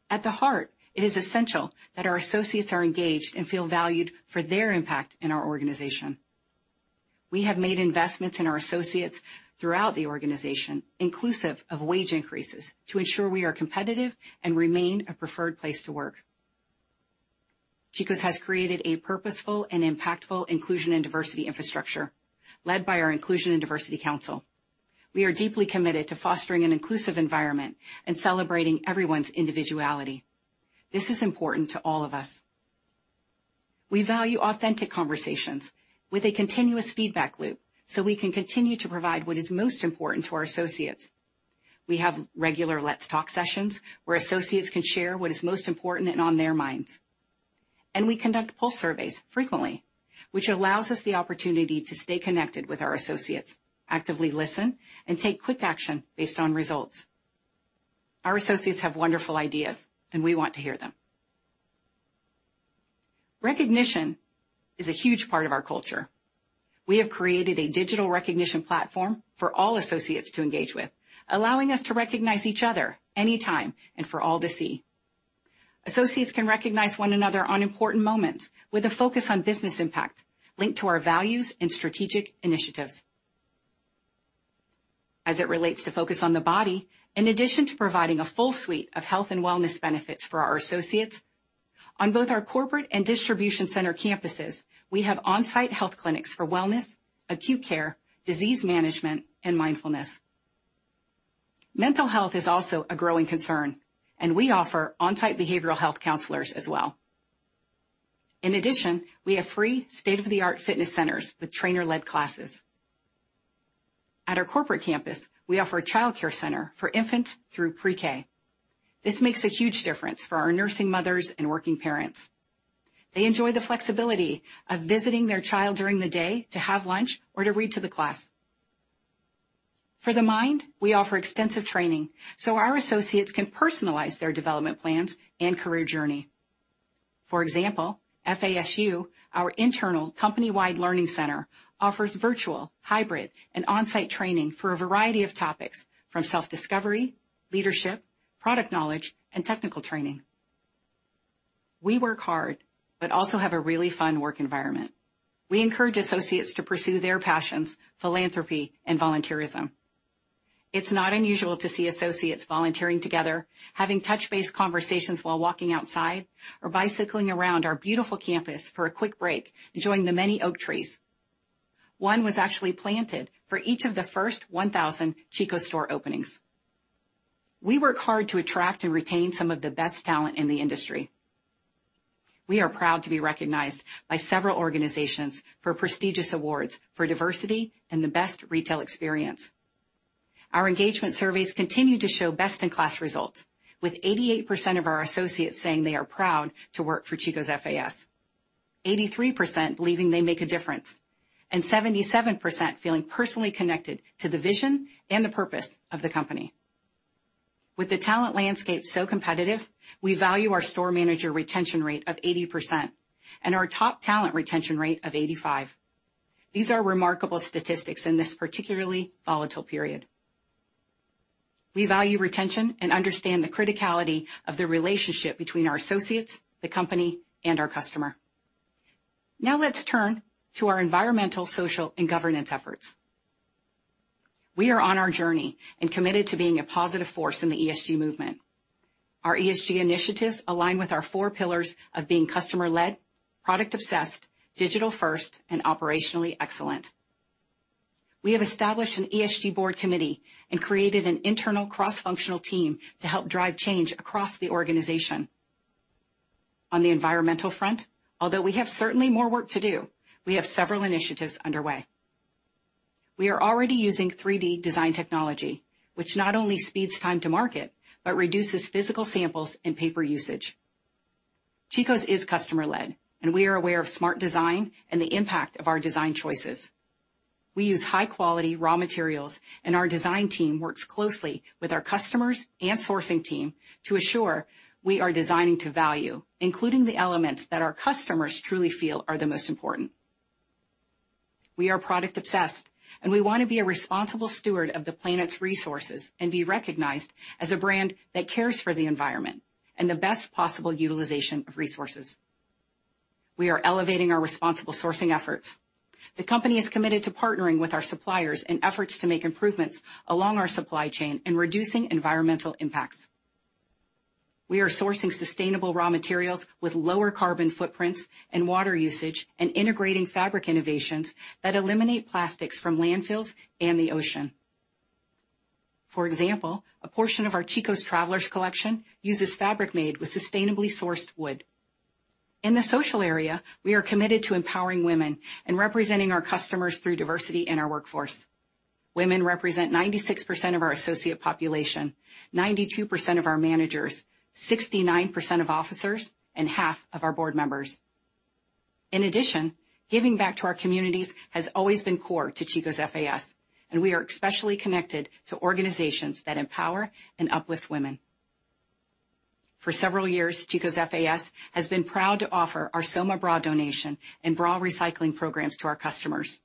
At the heart, it is essential that our associates are engaged and feel valued for their impact in our organization. We have made investments in our associates throughout the organization, inclusive of wage increases to ensure we are competitive and remain a preferred place to work. Chico's has created a purposeful and impactful inclusion and diversity infrastructure led by our Inclusion and Diversity Council. We are deeply committed to fostering an inclusive environment and celebrating everyone's individuality. This is important to all of us. We value authentic conversations with a continuous feedback loop so we can continue to provide what is most important to our associates. We have regular Let's Talk sessions where associates can share what is most important and on their minds. We conduct pulse surveys frequently, which allows us the opportunity to stay connected with our associates, actively listen, and take quick action based on results. Our associates have wonderful ideas, and we want to hear them. Recognition is a huge part of our culture. We have created a digital recognition platform for all associates to engage with, allowing us to recognize each other anytime and for all to see. Associates can recognize one another on important moments with a focus on business impact linked to our values and strategic initiatives. As it relates to focus on the body, in addition to providing a full suite of health and wellness benefits for our associates, on both our corporate and distribution center campuses, we have on-site health clinics for wellness, acute care, disease management, and mindfulness. Mental health is also a growing concern, and we offer on-site behavioral health counselors as well. In addition, we have free state-of-the-art fitness centers with trainer-led classes. At our corporate campus, we offer a childcare center for infants through pre-K. This makes a huge difference for our nursing mothers and working parents. They enjoy the flexibility of visiting their child during the day to have lunch or to read to the class. For the mind, we offer extensive training so our associates can personalize their development plans and career journey. For example, FASU, our internal company-wide learning center, offers virtual, hybrid, and on-site training for a variety of topics from self-discovery, leadership, product knowledge, and technical training. We work hard but also have a really fun work environment. We encourage associates to pursue their passions, philanthropy, and volunteerism. It's not unusual to see associates volunteering together, having touch base conversations while walking outside or bicycling around our beautiful campus for a quick break, enjoying the many oak trees. One was actually planted for each of the first 1,000 Chico's store openings. We work hard to attract and retain some of the best talent in the industry. We are proud to be recognized by several organizations for prestigious awards for diversity and the best retail experience. Our engagement surveys continue to show best-in-class results, with 88% of our associates saying they are proud to work for Chico's FAS, 83% believing they make a difference, and 77% feeling personally connected to the vision and the purpose of the company. With the talent landscape so competitive, we value our store manager retention rate of 80% and our top talent retention rate of 85%. These are remarkable statistics in this particularly volatile period. We value retention and understand the criticality of the relationship between our associates, the company, and our customer. Now let's turn to our environmental, social, and governance efforts. We are on our journey and committed to being a positive force in the ESG movement. Our ESG initiatives align with our four pillars of being customer-led, product obsessed, digital first, and operationally excellent. We have established an ESG board committee and created an internal cross-functional team to help drive change across the organization. On the environmental front, although we have certainly more work to do, we have several initiatives underway. We are already using 3-D design technology, which not only speeds time to market, but reduces physical samples and paper usage. Chico's is customer led, and we are aware of smart design and the impact of our design choices. We use high-quality raw materials, and our design team works closely with our customers and sourcing team to assure we are designing to value, including the elements that our customers truly feel are the most important. We are product obsessed, and we want to be a responsible steward of the planet's resources and be recognized as a brand that cares for the environment and the best possible utilization of resources. We are elevating our responsible sourcing efforts. The company is committed to partnering with our suppliers in efforts to make improvements along our supply chain in reducing environmental impacts. We are sourcing sustainable raw materials with lower carbon footprints and water usage and integrating fabric innovations that eliminate plastics from landfills and the ocean. For example, a portion of our Chico's Travelers collection uses fabric made with sustainably sourced wood. In the social area, we are committed to empowering women and representing our customers through diversity in our workforce. Women represent 96% of our associate population, 92% of our managers, 69% of officers, and half of our board members. In addition, giving back to our communities has always been core to Chico's FAS, and we are especially connected to organizations that empower and uplift women. For several years, Chico's FAS has been proud to offer our Soma bra donation and bra recycling programs to our customers.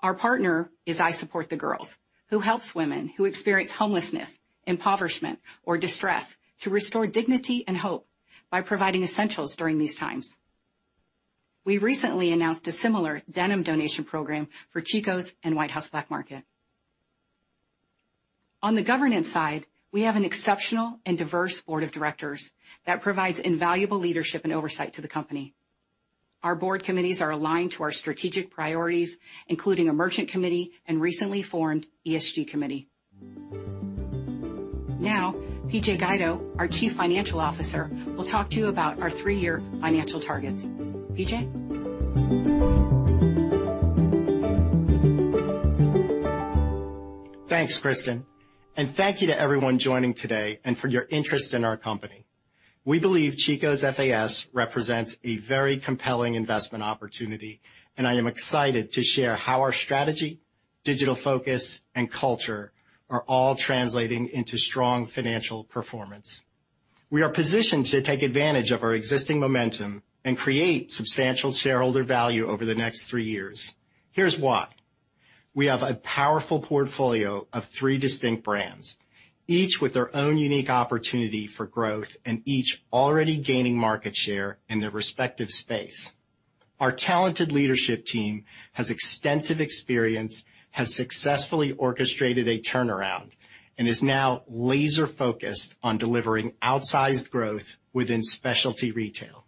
Our partner is I Support the Girls, who helps women who experience homelessness, impoverishment, or distress to restore dignity and hope by providing essentials during these times. We recently announced a similar denim donation program for Chico's and White House Black Market. On the governance side, we have an exceptional and diverse board of directors that provides invaluable leadership and oversight to the company. Our board committees are aligned to our strategic priorities, including a merchant committee and recently formed ESG committee. Now, PJ Guido, our Chief Financial Officer, will talk to you about our three-year financial targets. PJ? Thanks, Kristin, and thank you to everyone joining today and for your interest in our company. We believe Chico's FAS represents a very compelling investment opportunity, and I am excited to share how our strategy, digital focus, and culture are all translating into strong financial performance. We are positioned to take advantage of our existing momentum and create substantial shareholder value over the next three years. Here's why. We have a powerful portfolio of three distinct brands, each with their own unique opportunity for growth and each already gaining market share in their respective space. Our talented leadership team has extensive experience, has successfully orchestrated a turnaround, and is now laser-focused on delivering outsized growth within specialty retail.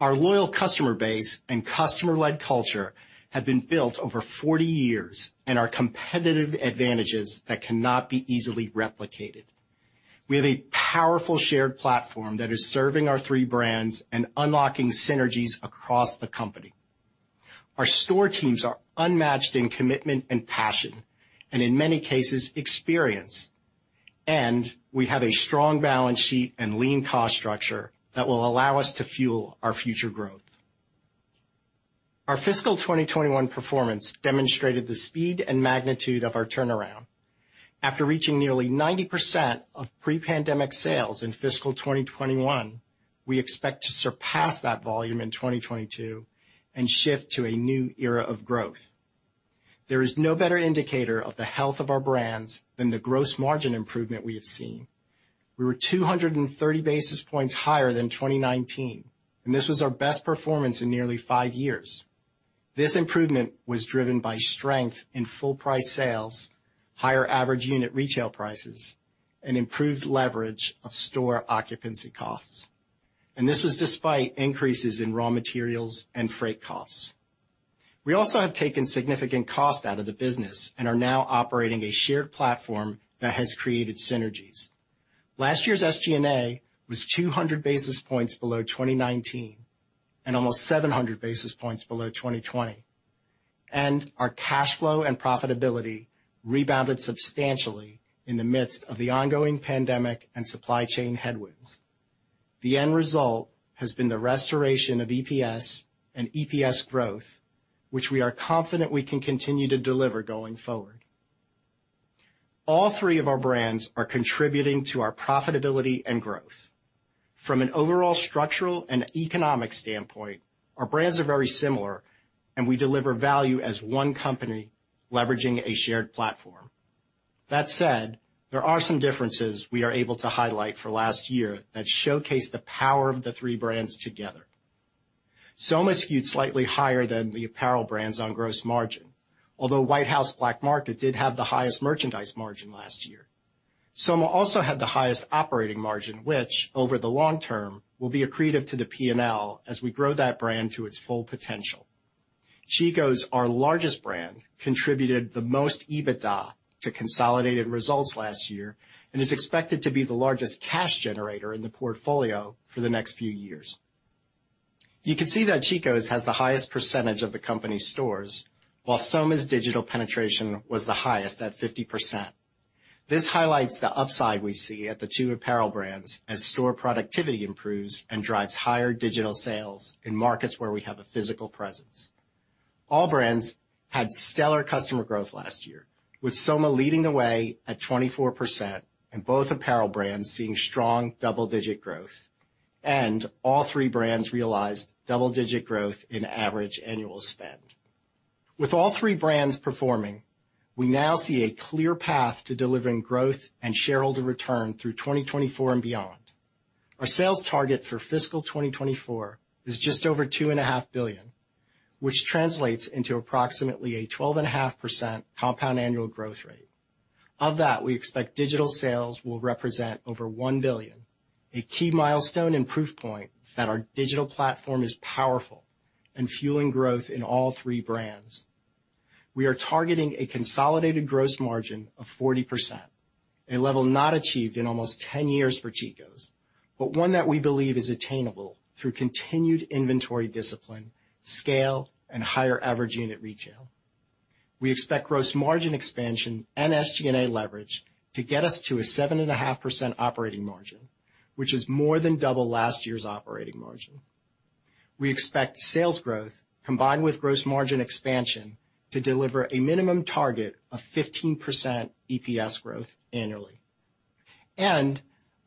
Our loyal customer base and customer-led culture have been built over 40 years and are competitive advantages that cannot be easily replicated. We have a powerful shared platform that is serving our three brands and unlocking synergies across the company. Our store teams are unmatched in commitment and passion, and in many cases, experience. We have a strong balance sheet and lean cost structure that will allow us to fuel our future growth. Our fiscal 2021 performance demonstrated the speed and magnitude of our turnaround. After reaching nearly 90% of pre-pandemic sales in fiscal 2021, we expect to surpass that volume in 2022 and shift to a new era of growth. There is no better indicator of the health of our brands than the gross margin improvement we have seen. We were 230 basis points higher than 2019, and this was our best performance in nearly five years. This improvement was driven by strength in full price sales, higher average unit retail prices, and improved leverage of store occupancy costs. This was despite increases in raw materials and freight costs. We also have taken significant cost out of the business and are now operating a shared platform that has created synergies. Last year's SG&A was 200 basis points below 2019 and almost 700 basis points below 2020. Our cash flow and profitability rebounded substantially in the midst of the ongoing pandemic and supply chain headwinds. The end result has been the restoration of EPS and EPS growth, which we are confident we can continue to deliver going forward. All three of our brands are contributing to our profitability and growth. From an overall structural and economic standpoint, our brands are very similar, and we deliver value as one company leveraging a shared platform. That said, there are some differences we are able to highlight for last year that showcase the power of the three brands together. Soma skewed slightly higher than the apparel brands on gross margin. Although White House Black Market did have the highest merchandise margin last year. Soma also had the highest operating margin, which, over the long term, will be accretive to the P&L as we grow that brand to its full potential. Chico's, our largest brand, contributed the most EBITDA to consolidated results last year and is expected to be the largest cash generator in the portfolio for the next few years. You can see that Chico's has the highest percentage of the company stores, while Soma's digital penetration was the highest at 50%. This highlights the upside we see at the two apparel brands as store productivity improves and drives higher digital sales in markets where we have a physical presence. All brands had stellar customer growth last year, with Soma leading the way at 24% and both apparel brands seeing strong double-digit growth. All three brands realized double-digit growth in average annual spend. With all three brands performing, we now see a clear path to delivering growth and shareholder return through 2024 and beyond. Our sales target for fiscal 2024 is just over $2.5 billion, which translates into approximately a 12.5% compound annual growth rate. Of that, we expect digital sales will represent over $1 billion, a key milestone and proof point that our digital platform is powerful and fueling growth in all three brands. We are targeting a consolidated gross margin of 40%, a level not achieved in almost 10 years for Chico's, but one that we believe is attainable through continued inventory discipline, scale, and higher average unit retail. We expect gross margin expansion and SG&A leverage to get us to a 7.5% operating margin, which is more than double last year's operating margin. We expect sales growth combined with gross margin expansion to deliver a minimum target of 15% EPS growth annually.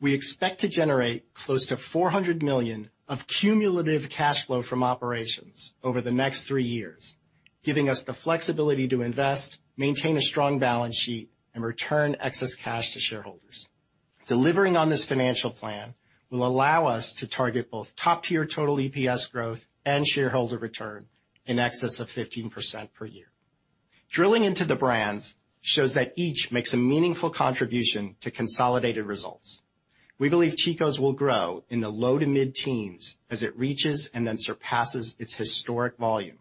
We expect to generate close to $400 million of cumulative cash flow from operations over the next three years, giving us the flexibility to invest, maintain a strong balance sheet, and return excess cash to shareholders. Delivering on this financial plan will allow us to target both top-tier total EPS growth and shareholder return in excess of 15% per year. Drilling into the brands shows that each makes a meaningful contribution to consolidated results. We believe Chico's will grow in the low to mid-teens as it reaches and then surpasses its historic volume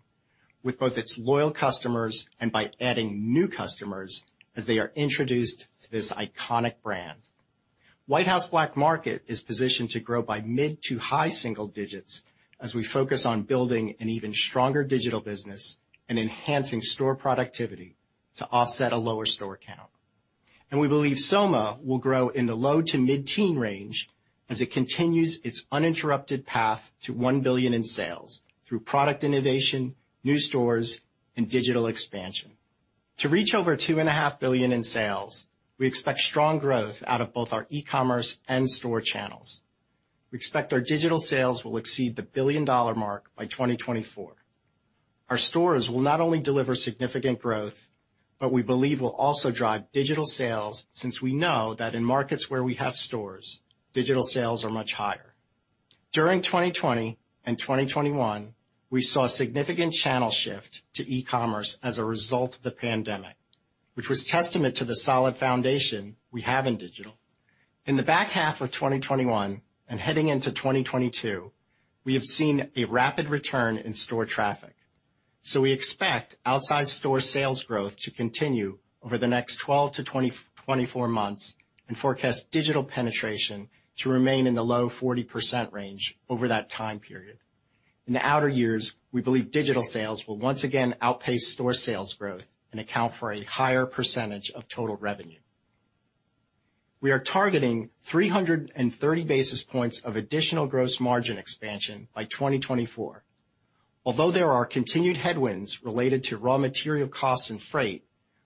with both its loyal customers and by adding new customers as they are introduced to this iconic brand. White House Black Market is positioned to grow by mid to high single digits as we focus on building an even stronger digital business and enhancing store productivity to offset a lower store count. We believe Soma will grow in the low to mid-teen range as it continues its uninterrupted path to $1 billion in sales through product innovation, new stores, and digital expansion. To reach over $2.5 billion in sales, we expect strong growth out of both our e-commerce and store channels. We expect our digital sales will exceed the a billion-dollar mark by 2024. Our stores will not only deliver significant growth, but we believe will also drive digital sales since we know that in markets where we have stores, digital sales are much higher. During 2020 and 2021, we saw significant channel shift to e-commerce as a result of the pandemic, which was testament to the solid foundation we have in digital. In the back half of 2021 and heading into 2022, we have seen a rapid return in store traffic. We expect out-of-store sales growth to continue over the next 12 months-24 months and forecast digital penetration to remain in the low 40% range over that time period. In the outer years, we believe digital sales will once again outpace store sales growth and account for a higher percentage of total revenue. We are targeting 330 basis points of additional gross margin expansion by 2024. Although there are continued headwinds related to raw material costs and freight,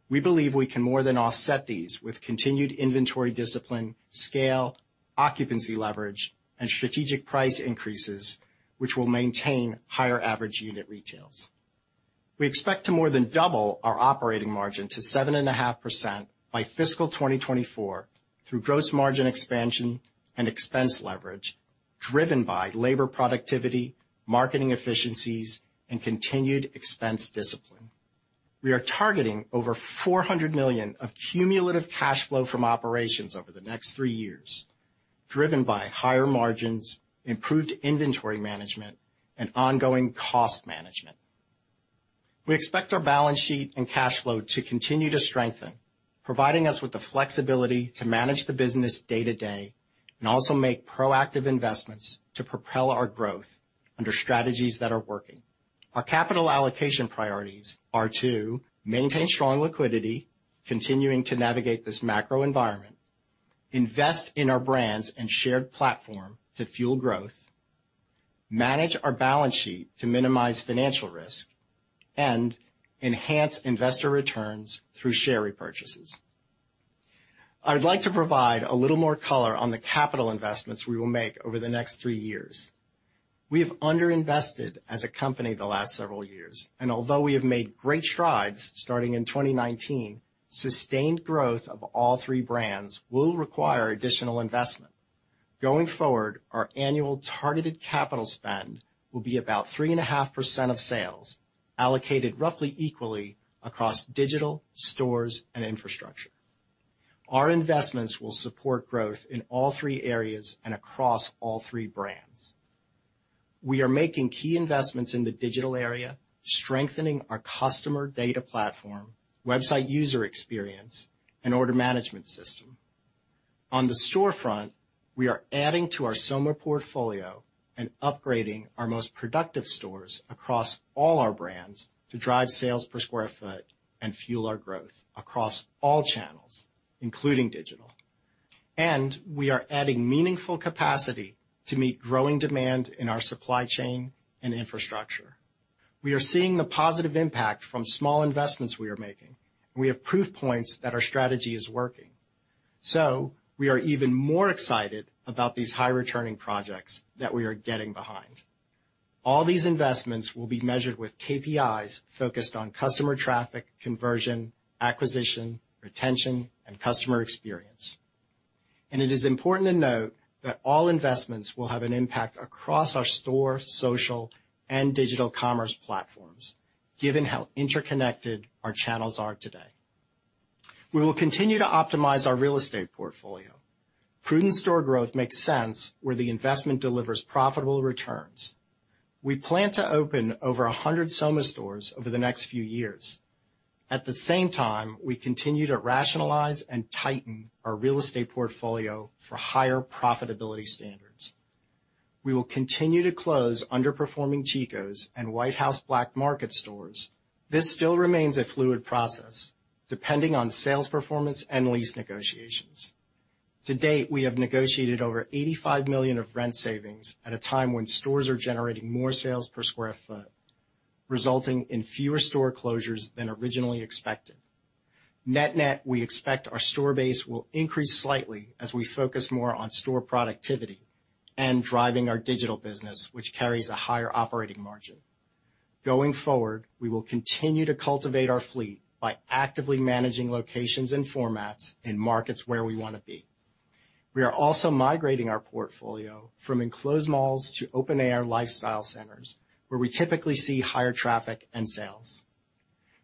we believe we can more than offset these with continued inventory discipline, scale, occupancy leverage, and strategic price increases, which will maintain higher average unit retails. We expect to more than double our operating margin to 7.5% by fiscal 2024 through gross margin expansion and expense leverage driven by labor productivity, marketing efficiencies, and continued expense discipline. We are targeting over $400 million of cumulative cash flow from operations over the next three years, driven by higher margins, improved inventory management, and ongoing cost management. We expect our balance sheet and cash flow to continue to strengthen, providing us with the flexibility to manage the business day to day and also make proactive investments to propel our growth under strategies that are working. Our capital allocation priorities are to maintain strong liquidity, continuing to navigate this macro environment, invest in our brands and shared platform to fuel growth, manage our balance sheet to minimize financial risk, and enhance investor returns through share repurchases. I'd like to provide a little more color on the capital investments we will make over the next three years. We have underinvested as a company the last several years, and although we have made great strides starting in 2019, sustained growth of all three brands will require additional investment. Going forward, our annual targeted capital spend will be about 3.5% of sales allocated roughly equally across digital, stores, and infrastructure. Our investments will support growth in all three areas and across all three brands. We are making key investments in the digital area, strengthening our customer data platform, website user experience, and order management system. On the storefront, we are adding to our Soma portfolio and upgrading our most productive stores across all our brands to drive sales per square foo and fuel our growth across all channels, including digital. We are adding meaningful capacity to meet growing demand in our supply chain and infrastructure. We are seeing the positive impact from small investments we are making. We have proof points that our strategy is working. We are even more excited about these high-returning projects that we are getting behind. All these investments will be measured with KPIs focused on customer traffic, conversion, acquisition, retention, and customer experience. It is important to note that all investments will have an impact across our store, social, and digital commerce platforms, given how interconnected our channels are today. We will continue to optimize our real estate portfolio. Prudent store growth makes sense where the investment delivers profitable returns. We plan to open over 100 Soma stores over the next few years. At the same time, we continue to rationalize and tighten our real estate portfolio for higher profitability standards. We will continue to close underperforming Chico's and White House Black Market stores. This still remains a fluid process, depending on sales performance and lease negotiations. To date, we have negotiated over $85 million of rent savings at a time when stores are generating more sales per square foot. Resulting in fewer store closures than originally expected. Net net, we expect our store base will increase slightly as we focus more on store productivity and driving our digital business, which carries a higher operating margin. Going forward, we will continue to cultivate our fleet by actively managing locations and formats in markets where we wanna be. We are also migrating our portfolio from enclosed malls to open air lifestyle centers, where we typically see higher traffic and sales.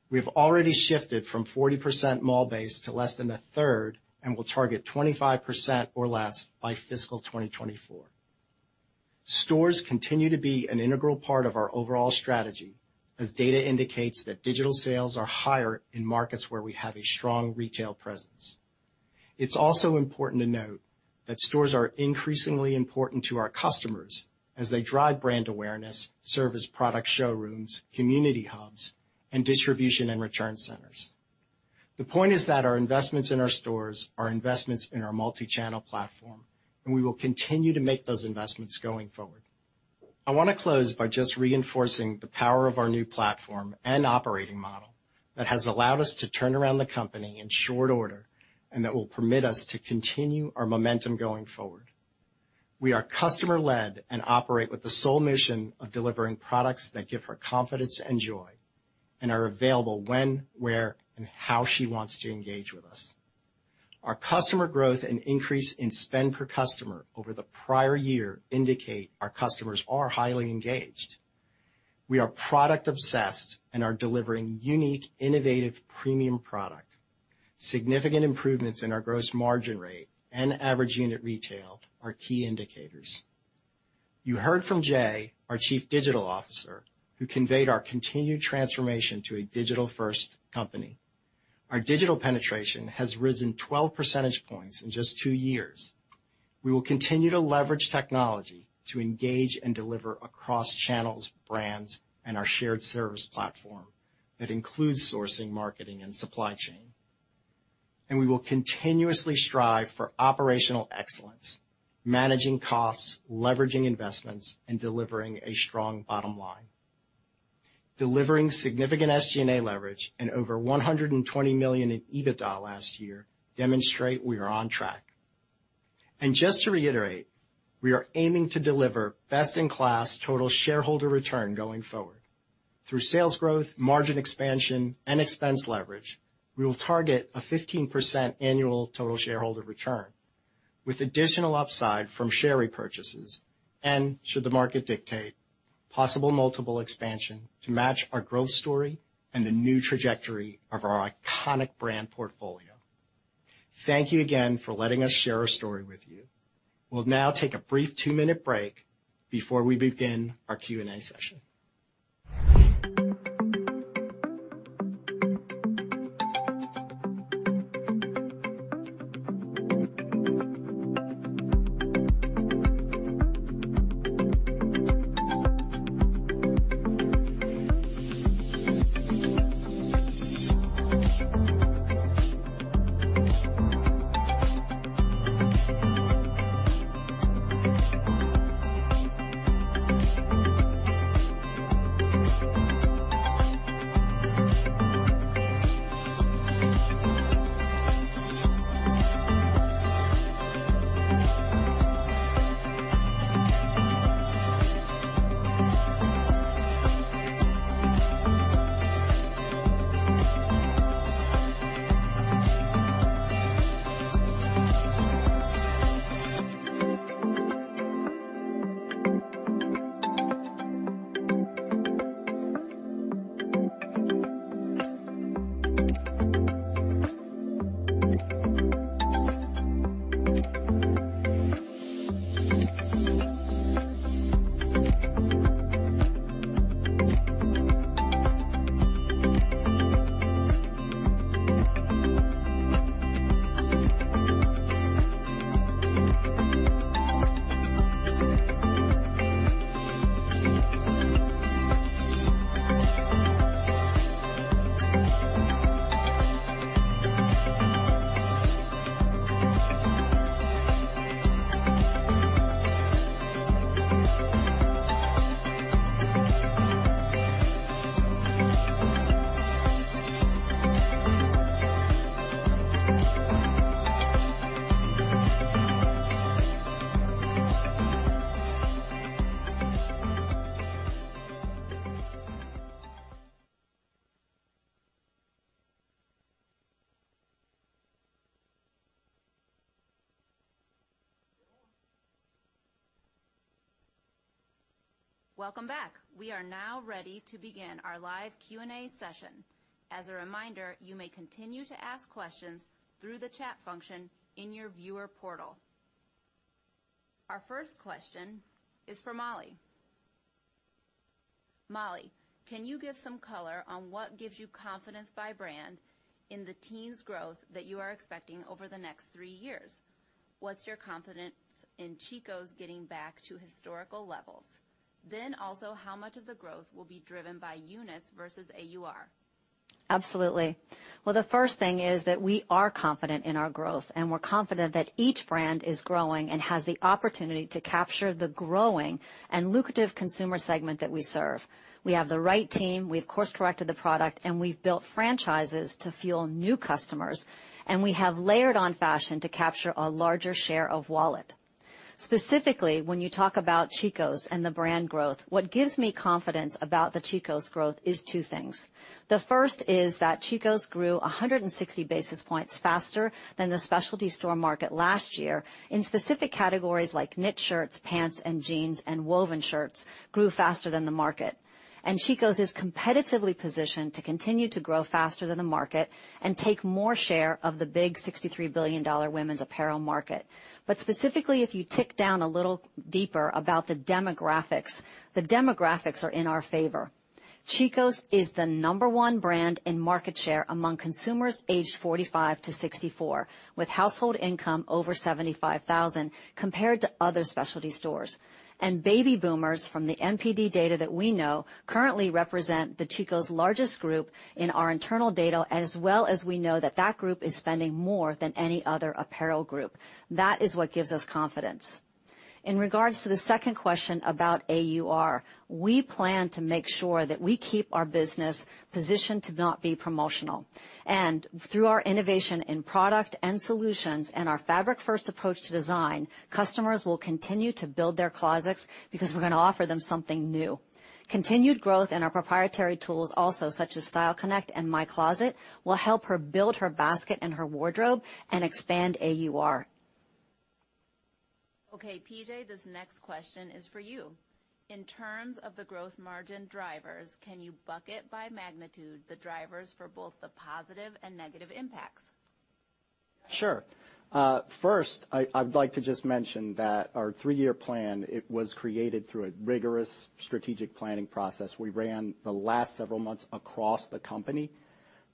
We have already shifted from 40% mall base to less than a 1/3, and will target 25% or less by fiscal 2024. Stores continue to be an integral part of our overall strategy, as data indicates that digital sales are higher in markets where we have a strong retail presence. It's also important to note that stores are increasingly important to our customers as they drive brand awareness, serve as product showrooms, community hubs, and distribution and return centers. The point is that our investments in our stores are investments in our multi-channel platform, and we will continue to make those investments going forward. I wanna close by just reinforcing the power of our new platform and operating model that has allowed us to turn around the company in short order, and that will permit us to continue our momentum going forward. We are customer-led and operate with the sole mission of delivering products that give her confidence and joy and are available when, where, and how she wants to engage with us. Our customer growth and increase in spend per customer over the prior year indicate our customers are highly engaged. We are product obsessed and are delivering unique, innovative, premium product. Significant improvements in our gross margin rate and average unit retail are key indicators. You heard from Jay, our Chief Digital Officer, who conveyed our continued transformation to a digital-first company. Our digital penetration has risen 12 percentage points in just two years. We will continue to leverage technology to engage and deliver across channels, brands, and our shared service platform that includes sourcing, marketing, and supply chain. We will continuously strive for operational excellence, managing costs, leveraging investments, and delivering a strong bottom line. Delivering significant SG&A leverage and over $120 million in EBITDA last year demonstrate we are on track. Just to reiterate, we are aiming to deliver best-in-class total shareholder return going forward. Through sales growth, margin expansion, and expense leverage, we will target a 15% annual total shareholder return with additional upside from share repurchases, and should the market dictate, possible multiple expansion to match our growth story and the new trajectory of our iconic brand portfolio. Thank you again for letting us share our story with you. We'll now take a brief two-minute break before we begin our Q&A session. Welcome back. We are now ready to begin our live Q&A session. As a reminder, you may continue to ask questions through the chat function in your viewer portal. Our first question is for Molly. Molly, can you give some color on what gives you confidence by brand in the teens growth that you are expecting over the next three years? What's your confidence in Chico's getting back to historical levels? Then also, how much of the growth will be driven by units versus AUR? Absolutely. Well, the first thing is that we are confident in our growth, and we're confident that each brand is growing and has the opportunity to capture the growing and lucrative consumer segment that we serve. We have the right team, we've course-corrected the product, and we've built franchises to fuel new customers, and we have layered on fashion to capture a larger share of wallet. Specifically, when you talk about Chico's and the brand growth, what gives me confidence about the Chico's growth is two things. The first is that Chico's grew 160 basis points faster than the specialty store market last year in specific categories like knit shirts, pants and jeans, and woven shirts grew faster than the market. Chico's is competitively positioned to continue to grow faster than the market and take more share of the big $63 billion women's apparel market. Specifically, if you tick down a little deeper about the demographics, the demographics are in our favor. Chico's is the number one brand in market share among consumers aged 45 years-64 years, with household income over $75,000, compared to other specialty stores. Baby boomers, from the NPD data that we know, currently represent the Chico's largest group in our internal data, as well as we know that that group is spending more than any other apparel group. That is what gives us confidence. In regards to the second question about AUR, we plan to make sure that we keep our business positioned to not be promotional. Through our innovation in product and solutions and our fabric-first approach to design, customers will continue to build their closets because we're gonna offer them something new. Continued growth in our proprietary tools, also such as Style Connect and My Closet, will help her build her basket and her wardrobe and expand AUR. Okay, PJ, this next question is for you. In terms of the gross margin drivers, can you bucket by magnitude the drivers for both the positive and negative impacts? Sure. First, I'd like to just mention that our three-year plan, it was created through a rigorous strategic planning process we ran the last several months across the company.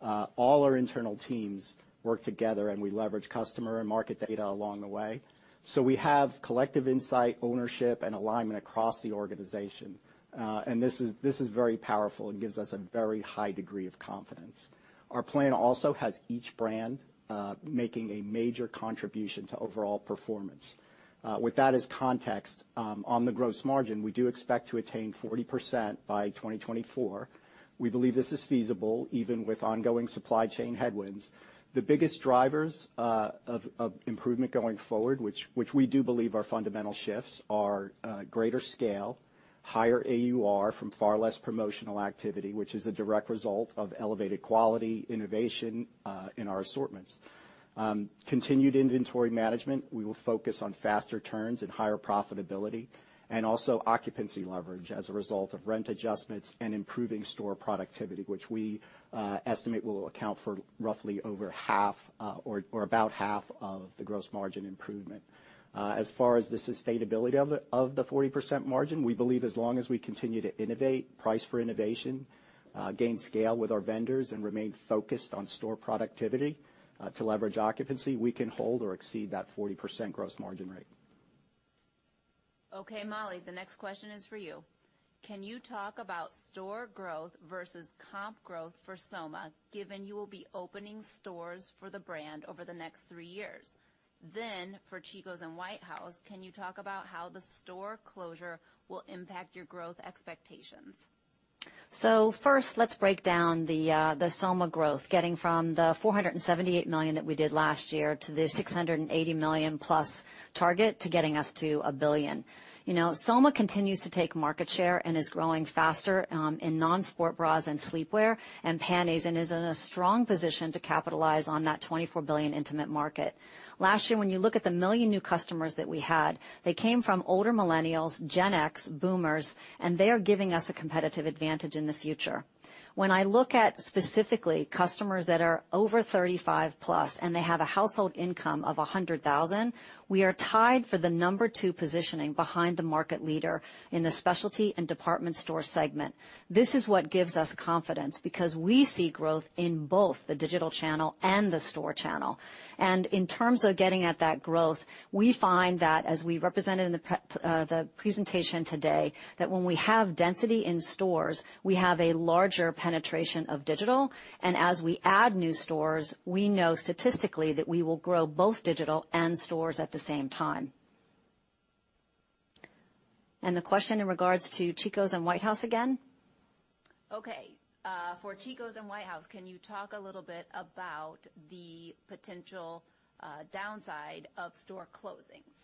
All our internal teams worked together, and we leveraged customer and market data along the way. We have collective insight, ownership, and alignment across the organization. This is very powerful and gives us a very high degree of confidence. Our plan also has each brand making a major contribution to overall performance. With that as context, on the gross margin, we do expect to attain 40% by 2024. We believe this is feasible even with ongoing supply chain headwinds. The biggest drivers of improvement going forward, which we do believe are fundamental shifts, are greater scale, higher AUR from far less promotional activity, which is a direct result of elevated quality, innovation in our assortments. Continued inventory management, we will focus on faster turns and higher profitability, and also occupancy leverage as a result of rent adjustments and improving store productivity, which we estimate will account for roughly over 1/2 or about 1/2 of the gross margin improvement. As far as the sustainability of the 40% margin, we believe as long as we continue to innovate, price for innovation, gain scale with our vendors and remain focused on store productivity to leverage occupancy, we can hold or exceed that 40% gross margin rate. Okay, Molly, the next question is for you. Can you talk about store growth versus comp growth for Soma, given you will be opening stores for the brand over the next three years? For Chico's and White House, can you talk about how the store closure will impact your growth expectations? First, let's break down the Soma growth, getting from the $478 million that we did last year to the $680 million-plus target to getting us to $1 billion. You know, Soma continues to take market share and is growing faster in non-sport bras and sleepwear and panties and is in a strong position to capitalize on that $24 billion intimate market. Last year, when you look at the 1 million new customers that we had, they came from older millennials, Gen X, boomers, and they are giving us a competitive advantage in the future. When I look at specifically customers that are over 35+ and they have a household income of $100,000, we are tied for the number two positioning behind the market leader in the specialty and department store segment. This is what gives us confidence because we see growth in both the digital channel and the store channel. In terms of getting at that growth, we find that as we represented in the presentation today, that when we have density in stores, we have a larger penetration of digital, and as we add new stores, we know statistically that we will grow both digital and stores at the same time. The question in regards to Chico's and White House Black Market again? Okay. For Chico's and White House, can you talk a little bit about the potential downside of store closings?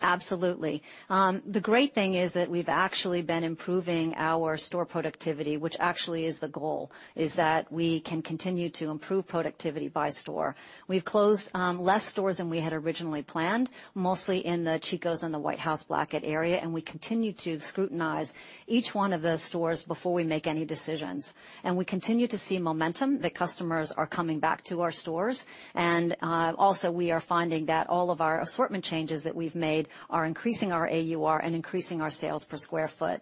Absolutely. The great thing is that we've actually been improving our store productivity, which actually is the goal, is that we can continue to improve productivity by store. We've closed less stores than we had originally planned, mostly in the Chico's and the White House Black Market area, and we continue to scrutinize each one of the stores before we make any decisions. We continue to see momentum. The customers are coming back to our stores. We are finding that all of our assortment changes that we've made are increasing our AUR and increasing our sales per square foot.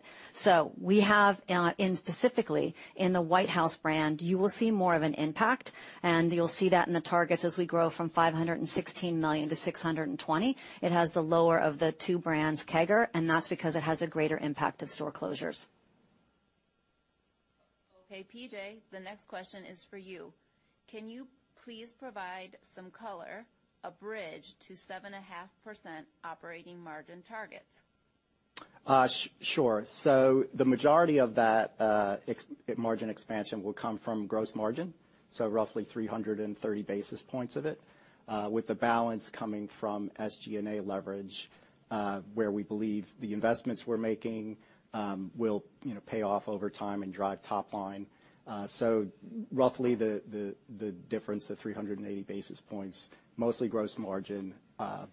We have, in specifically in the White House Black Market brand, you will see more of an impact, and you'll see that in the targets as we grow from $516 million-$620 million. It has the lower of the two brands' CAGR, and that's because it has a greater impact of store closures. Okay, PJ, the next question is for you. Can you please provide some color, a bridge to 7.5% operating margin targets? Sure. The majority of that margin expansion will come from gross margin, so roughly 330 basis points of it, with the balance coming from SG&A leverage, where we believe the investments we're making will, you know, pay off over time and drive top line. Roughly the difference, the 380 basis points, mostly gross margin,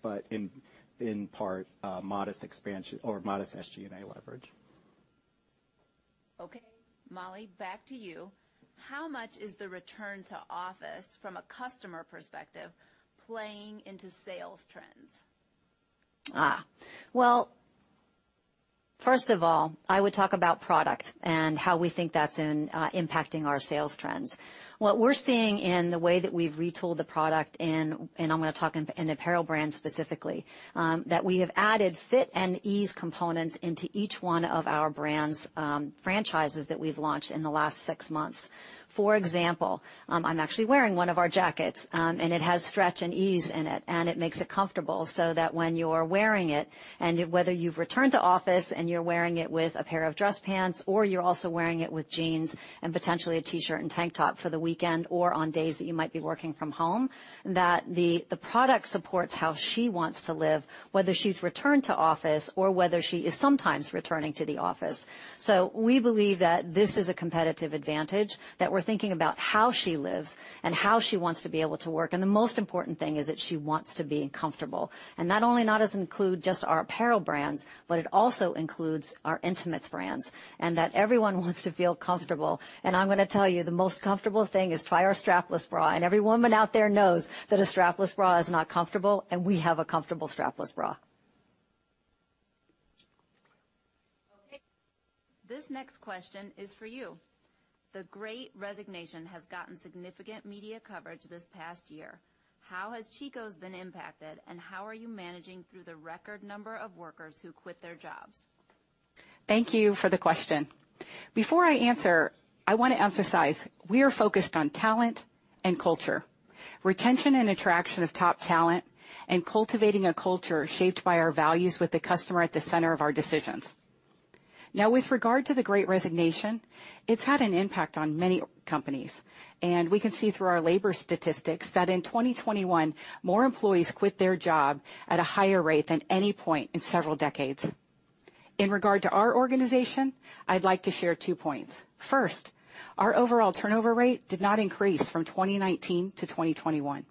but in part modest expansion or modest SG&A leverage. Okay. Molly, back to you. How much is the return to office from a customer perspective playing into sales trends? Well, first of all, I would talk about product and how we think that's impacting our sales trends. What we're seeing in the way that we've retooled the product, and I'm gonna talk in apparel brands specifically, that we have added fit and ease components into each one of our brands' franchises that we've launched in the last six months. For example, I'm actually wearing one of our jackets, and it has stretch and ease in it, and it makes it comfortable so that when you're wearing it and whether you've returned to office and you're wearing it with a pair of dress pants or you're also wearing it with jeans and potentially a T-shirt and tank top for the weekend or on days that you might be working from home, that the product supports how she wants to live, whether she's returned to office or whether she is sometimes returning to the office. We believe that this is a competitive advantage, that we're thinking about how she lives and how she wants to be able to work. The most important thing is that she wants to be comfortable. Not only does it include just our apparel brands, but it also includes our intimates brands, and that everyone wants to feel comfortable. I'm gonna tell you, the most comfortable thing is to try our strapless bra. Every woman out there knows that a strapless bra is not comfortable, and we have a comfortable strapless bra. Okay. This next question is for you. The Great Resignation has gotten significant media coverage this past year. How has Chico's been impacted, and how are you managing through the record number of workers who quit their jobs? Thank you for the question. Before I answer, I wanna emphasize we are focused on talent and culture, retention and attraction of top talent and cultivating a culture shaped by our values with the customer at the center of our decisions. Now, with regard to the Great Resignation, it's had an impact on many companies, and we can see through our labor statistics that in 2021, more employees quit their job at a higher rate than any point in several decades. In regard to our organization, I'd like to share two points. First, our overall turnover rate did not increase from 2019-2021.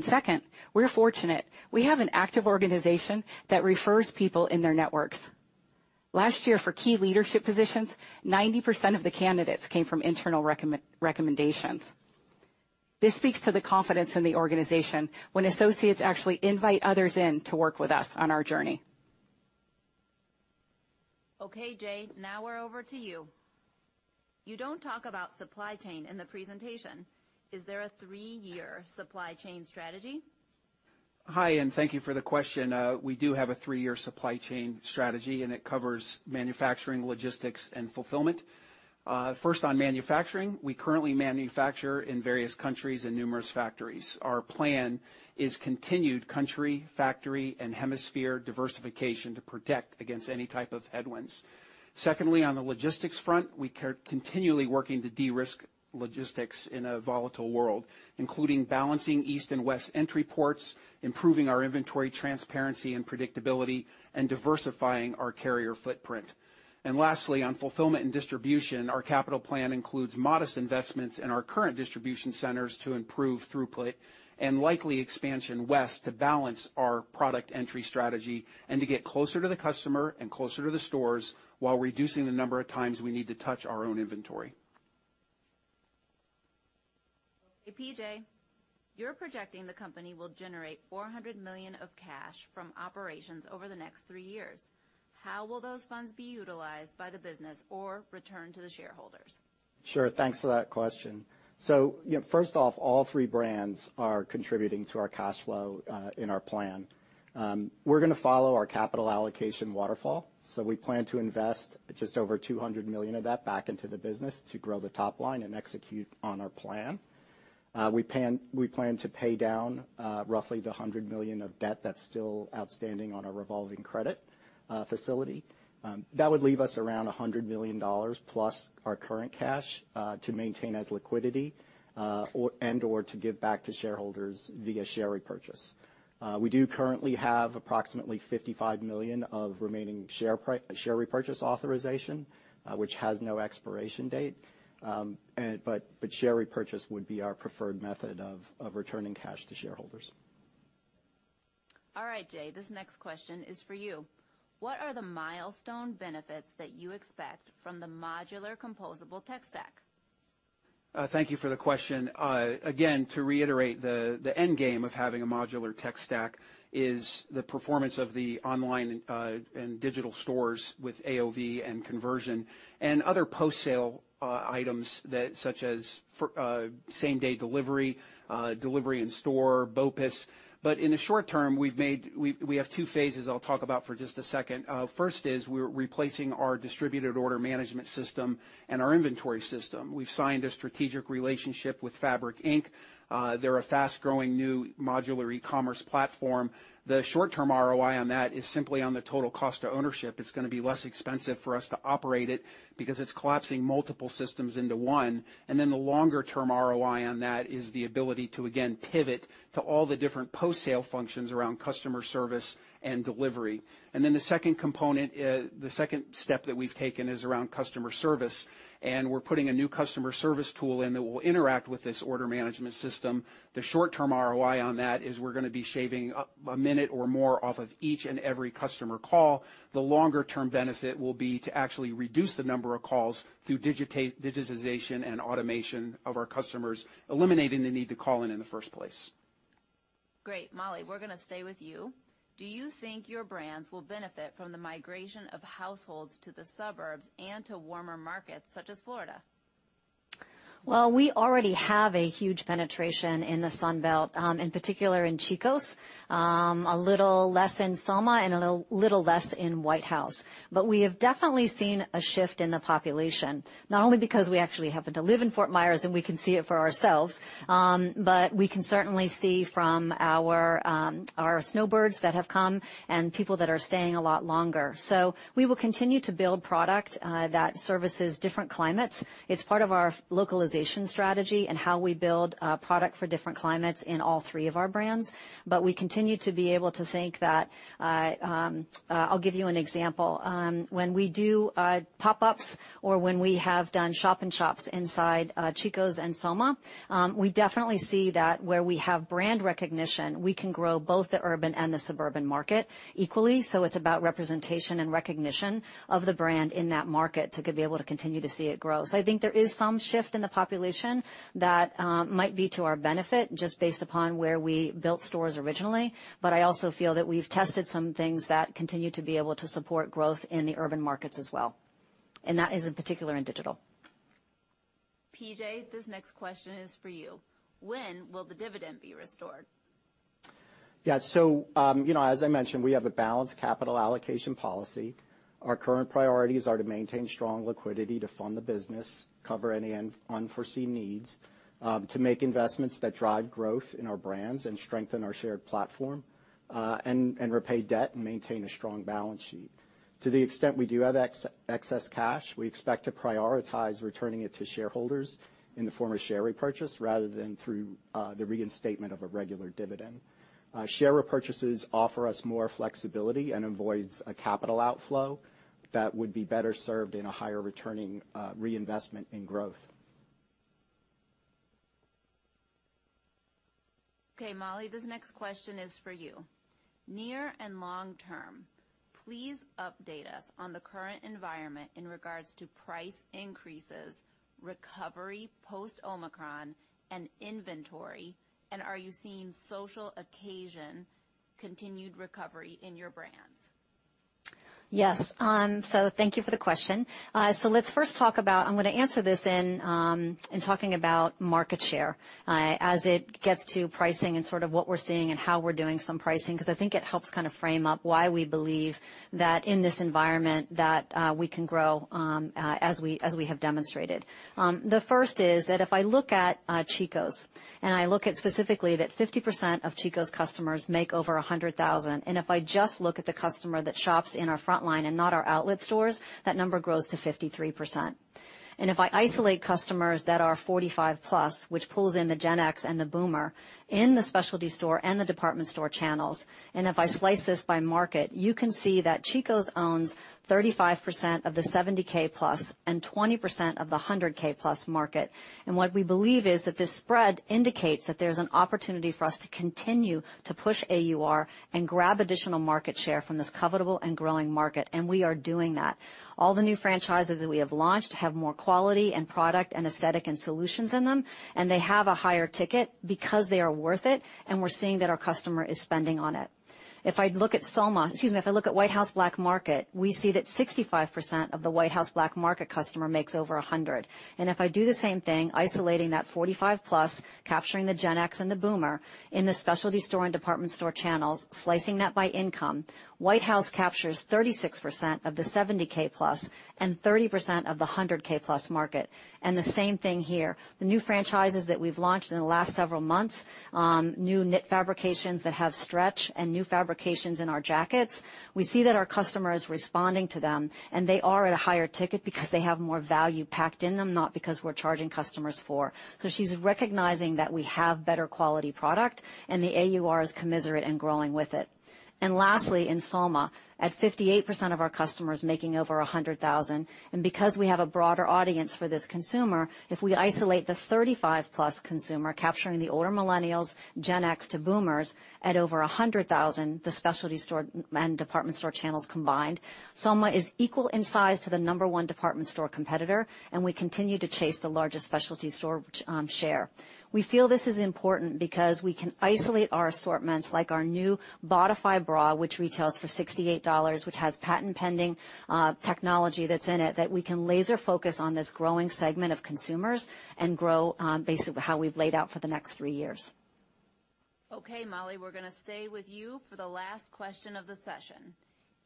Second, we're fortunate. We have an active organization that refers people in their networks. Last year, for key leadership positions, 90% of the candidates came from internal recommendations. This speaks to the confidence in the organization when associates actually invite others in to work with us on our journey. Okay, Jay, now we're over to you. You don't talk about supply chain in the presentation. Is there a three-year supply chain strategy? Hi, thank you for the question. We do have a three-year supply chain strategy, and it covers manufacturing, logistics, and fulfillment. First on manufacturing. We currently manufacture in various countries and numerous factories. Our plan is continued country, factory, and hemisphere diversification to protect against any type of headwinds. Secondly, on the logistics front, we're continually working to de-risk logistics in a volatile world, including balancing east and west entry ports, improving our inventory transparency and predictability, and diversifying our carrier footprint. Lastly, on fulfillment and distribution, our capital plan includes modest investments in our current distribution centers to improve throughput and likely expansion west to balance our product entry strategy and to get closer to the customer and closer to the stores while reducing the number of times we need to touch our own inventory. PJ, you're projecting the company will generate $400 million of cash from operations over the next three years. How will those funds be utilized by the business or returned to the shareholders? Sure. Thanks for that question. You know, first off, all three brands are contributing to our cash flow in our plan. We're gonna follow our capital allocation waterfall, so we plan to invest just over $200 million of that back into the business to grow the top line and execute on our plan. We plan to pay down roughly $100 million of debt that's still outstanding on our revolving credit facility. That would leave us around $100 million plus our current cash to maintain as liquidity or and/or to give back to shareholders via share repurchase. We do currently have approximately $55 million of remaining share repurchase authorization, which has no expiration date. But share repurchase would be our preferred method of returning cash to shareholders. All right, Jay, this next question is for you. What are the milestone benefits that you expect from the modular composable tech stack? Thank you for the question. Again, to reiterate the end game of having a modular tech stack is the performance of the online and digital stores with AOV and conversion and other post-sale items that such as for same-day delivery in store, BOPIS. In the short term, we have two phases I'll talk about for just a second. First, we're replacing our distributed order management system and our inventory system. We've signed a strategic relationship with Fabric Inc. They're a fast-growing new modular e-commerce platform. The short-term ROI on that is simply on the total cost of ownership. It's gonna be less expensive for us to operate it because it's collapsing multiple systems into one, and then the longer-term ROI on that is the ability to, again, pivot to all the different post-sale functions around customer service and delivery. The second component, the second step that we've taken is around customer service, and we're putting a new customer service tool in that will interact with this order management system. The short-term ROI on that is we're gonna be shaving a minute or more off of each and every customer call. The longer-term benefit will be to actually reduce the number of calls through digitization and automation of our customers, eliminating the need to call in in the first place. Great. Molly, we're gonna stay with you. Do you think your brands will benefit from the migration of households to the suburbs and to warmer markets such as Florida? Well, we already have a huge penetration in the Sun Belt, in particular in Chico's, a little less in Soma and a little less in White House Black Market. We have definitely seen a shift in the population, not only because we actually happen to live in Fort Myers, and we can see it for ourselves, but we can certainly see from our snowbirds that have come and people that are staying a lot longer. We will continue to build product that services different climates. It's part of our localization strategy and how we build product for different climates in all three of our brands. We continue to be able to think that, I'll give you an example. When we do pop-ups or when we have done shop-in-shops inside Chico's and Soma, we definitely see that where we have brand recognition, we can grow both the urban and the suburban market equally. It's about representation and recognition of the brand in that market to be able to continue to see it grow. I think there is some shift in the population that might be to our benefit just based upon where we built stores originally, but I also feel that we've tested some things that continue to be able to support growth in the urban markets as well, and that is in particular in digital. PJ, this next question is for you. When will the dividend be restored? Yeah. You know, as I mentioned, we have a balanced capital allocation policy. Our current priorities are to maintain strong liquidity to fund the business, cover any unforeseen needs, to make investments that drive growth in our brands and strengthen our shared platform, and repay debt and maintain a strong balance sheet. To the extent we do have excess cash, we expect to prioritize returning it to shareholders in the form of share repurchase rather than through the reinstatement of a regular dividend. Share repurchases offer us more flexibility and avoids a capital outflow that would be better served in a higher returning reinvestment in growth. Okay, Molly, this next question is for you. Near and long term, please update us on the current environment in regards to price increases, recovery post-Omicron, and inventory, and are you seeing social occasion continued recovery in your brands? Yes. Thank you for the question. I'm gonna answer this in talking about market share, as it gets to pricing and sort of what we're seeing and how we're doing some pricing, 'cause I think it helps kind of frame up why we believe that in this environment that we can grow, as we have demonstrated. The first is that if I look at Chico's and I look at specifically that 50% of Chico's customers make over $100,000, and if I just look at the customer that shops in our frontline and not our outlet stores, that number grows to 53%. If I isolate customers that are 45+, which pulls in the Gen X and the Boomer in the specialty store and the department store channels, and if I slice this by market, you can see that Chico's owns 35% of the $70,000+ and 20% of the $100,000+ market. What we believe is that this spread indicates that there's an opportunity for us to continue to push AUR and grab additional market share from this covetable and growing market, and we are doing that. All the new franchises that we have launched have more quality and product and aesthetic and solutions in them, and they have a higher ticket because they are worth it, and we're seeing that our customer is spending on it. If I look at Soma. Excuse me. If I look at White House Black Market, we see that 65% of the White House Black Market customer makes over a $100,000. If I do the same thing, isolating that 45+, capturing the Gen X and the Boomer in the specialty store and department store channels, slicing that by income, White House captures 36% of the $70,000+ and 30% of the $100,000+ market. The same thing here. The new franchises that we've launched in the last several months, new knit fabrications that have stretch and new fabrications in our jackets, we see that our customer is responding to them, and they are at a higher ticket because they have more value packed in them, not because we're charging customers for. She's recognizing that we have better quality product, and the AUR is commensurate and growing with it. Lastly, in Soma, at 58% of our customers making over $100,000, and because we have a broader audience for this consumer, if we isolate the 35+ consumer capturing the older millennials, Gen X to boomers at over $100,000, the specialty store and department store channels combined, Soma is equal in size to the number one department store competitor, and we continue to chase the largest specialty store share. We feel this is important because we can isolate our assortments like our new Bodify bra, which retails for $68, which has patent-pending technology that's in it, that we can laser focus on this growing segment of consumers and grow basically how we've laid out for the next three years. Okay, Molly, we're gonna stay with you for the last question of the session.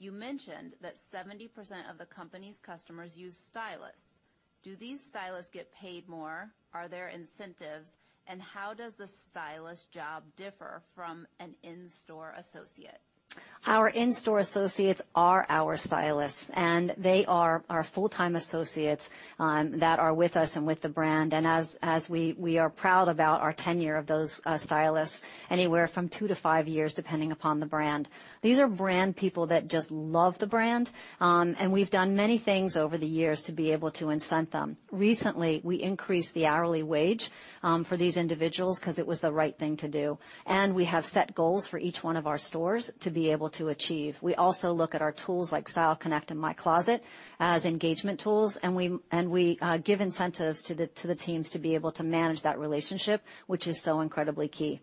You mentioned that 70% of the company's customers use stylists. Do these stylists get paid more? Are there incentives? How does the stylist job differ from an in-store associate? Our in-store associates are our stylists, and they are our full-time associates, that are with us and with the brand. We are proud about our tenure of those stylists, anywhere from two years-five years, depending upon the brand. These are brand people that just love the brand. We've done many things over the years to be able to incent them. Recently, we increased the hourly wage, for these individuals because it was the right thing to do. We have set goals for each one of our stores to be able to achieve. We also look at our tools like Style Connect and My Closet as engagement tools, and we give incentives to the teams to be able to manage that relationship, which is so incredibly key.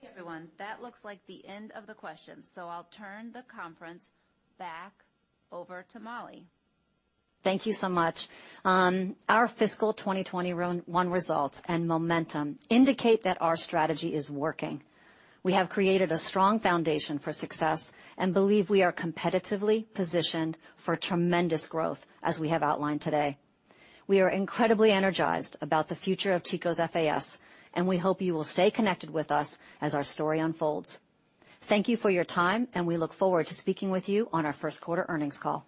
Okay, everyone. That looks like the end of the questions. I'll turn the conference back over to Molly. Thank you so much. Our fiscal 2021 results and momentum indicate that our strategy is working. We have created a strong foundation for success and believe we are competitively positioned for tremendous growth as we have outlined today. We are incredibly energized about the future of Chico's FAS, and we hope you will stay connected with us as our story unfolds. Thank you for your time, and we look forward to speaking with you on our Q1 earnings call.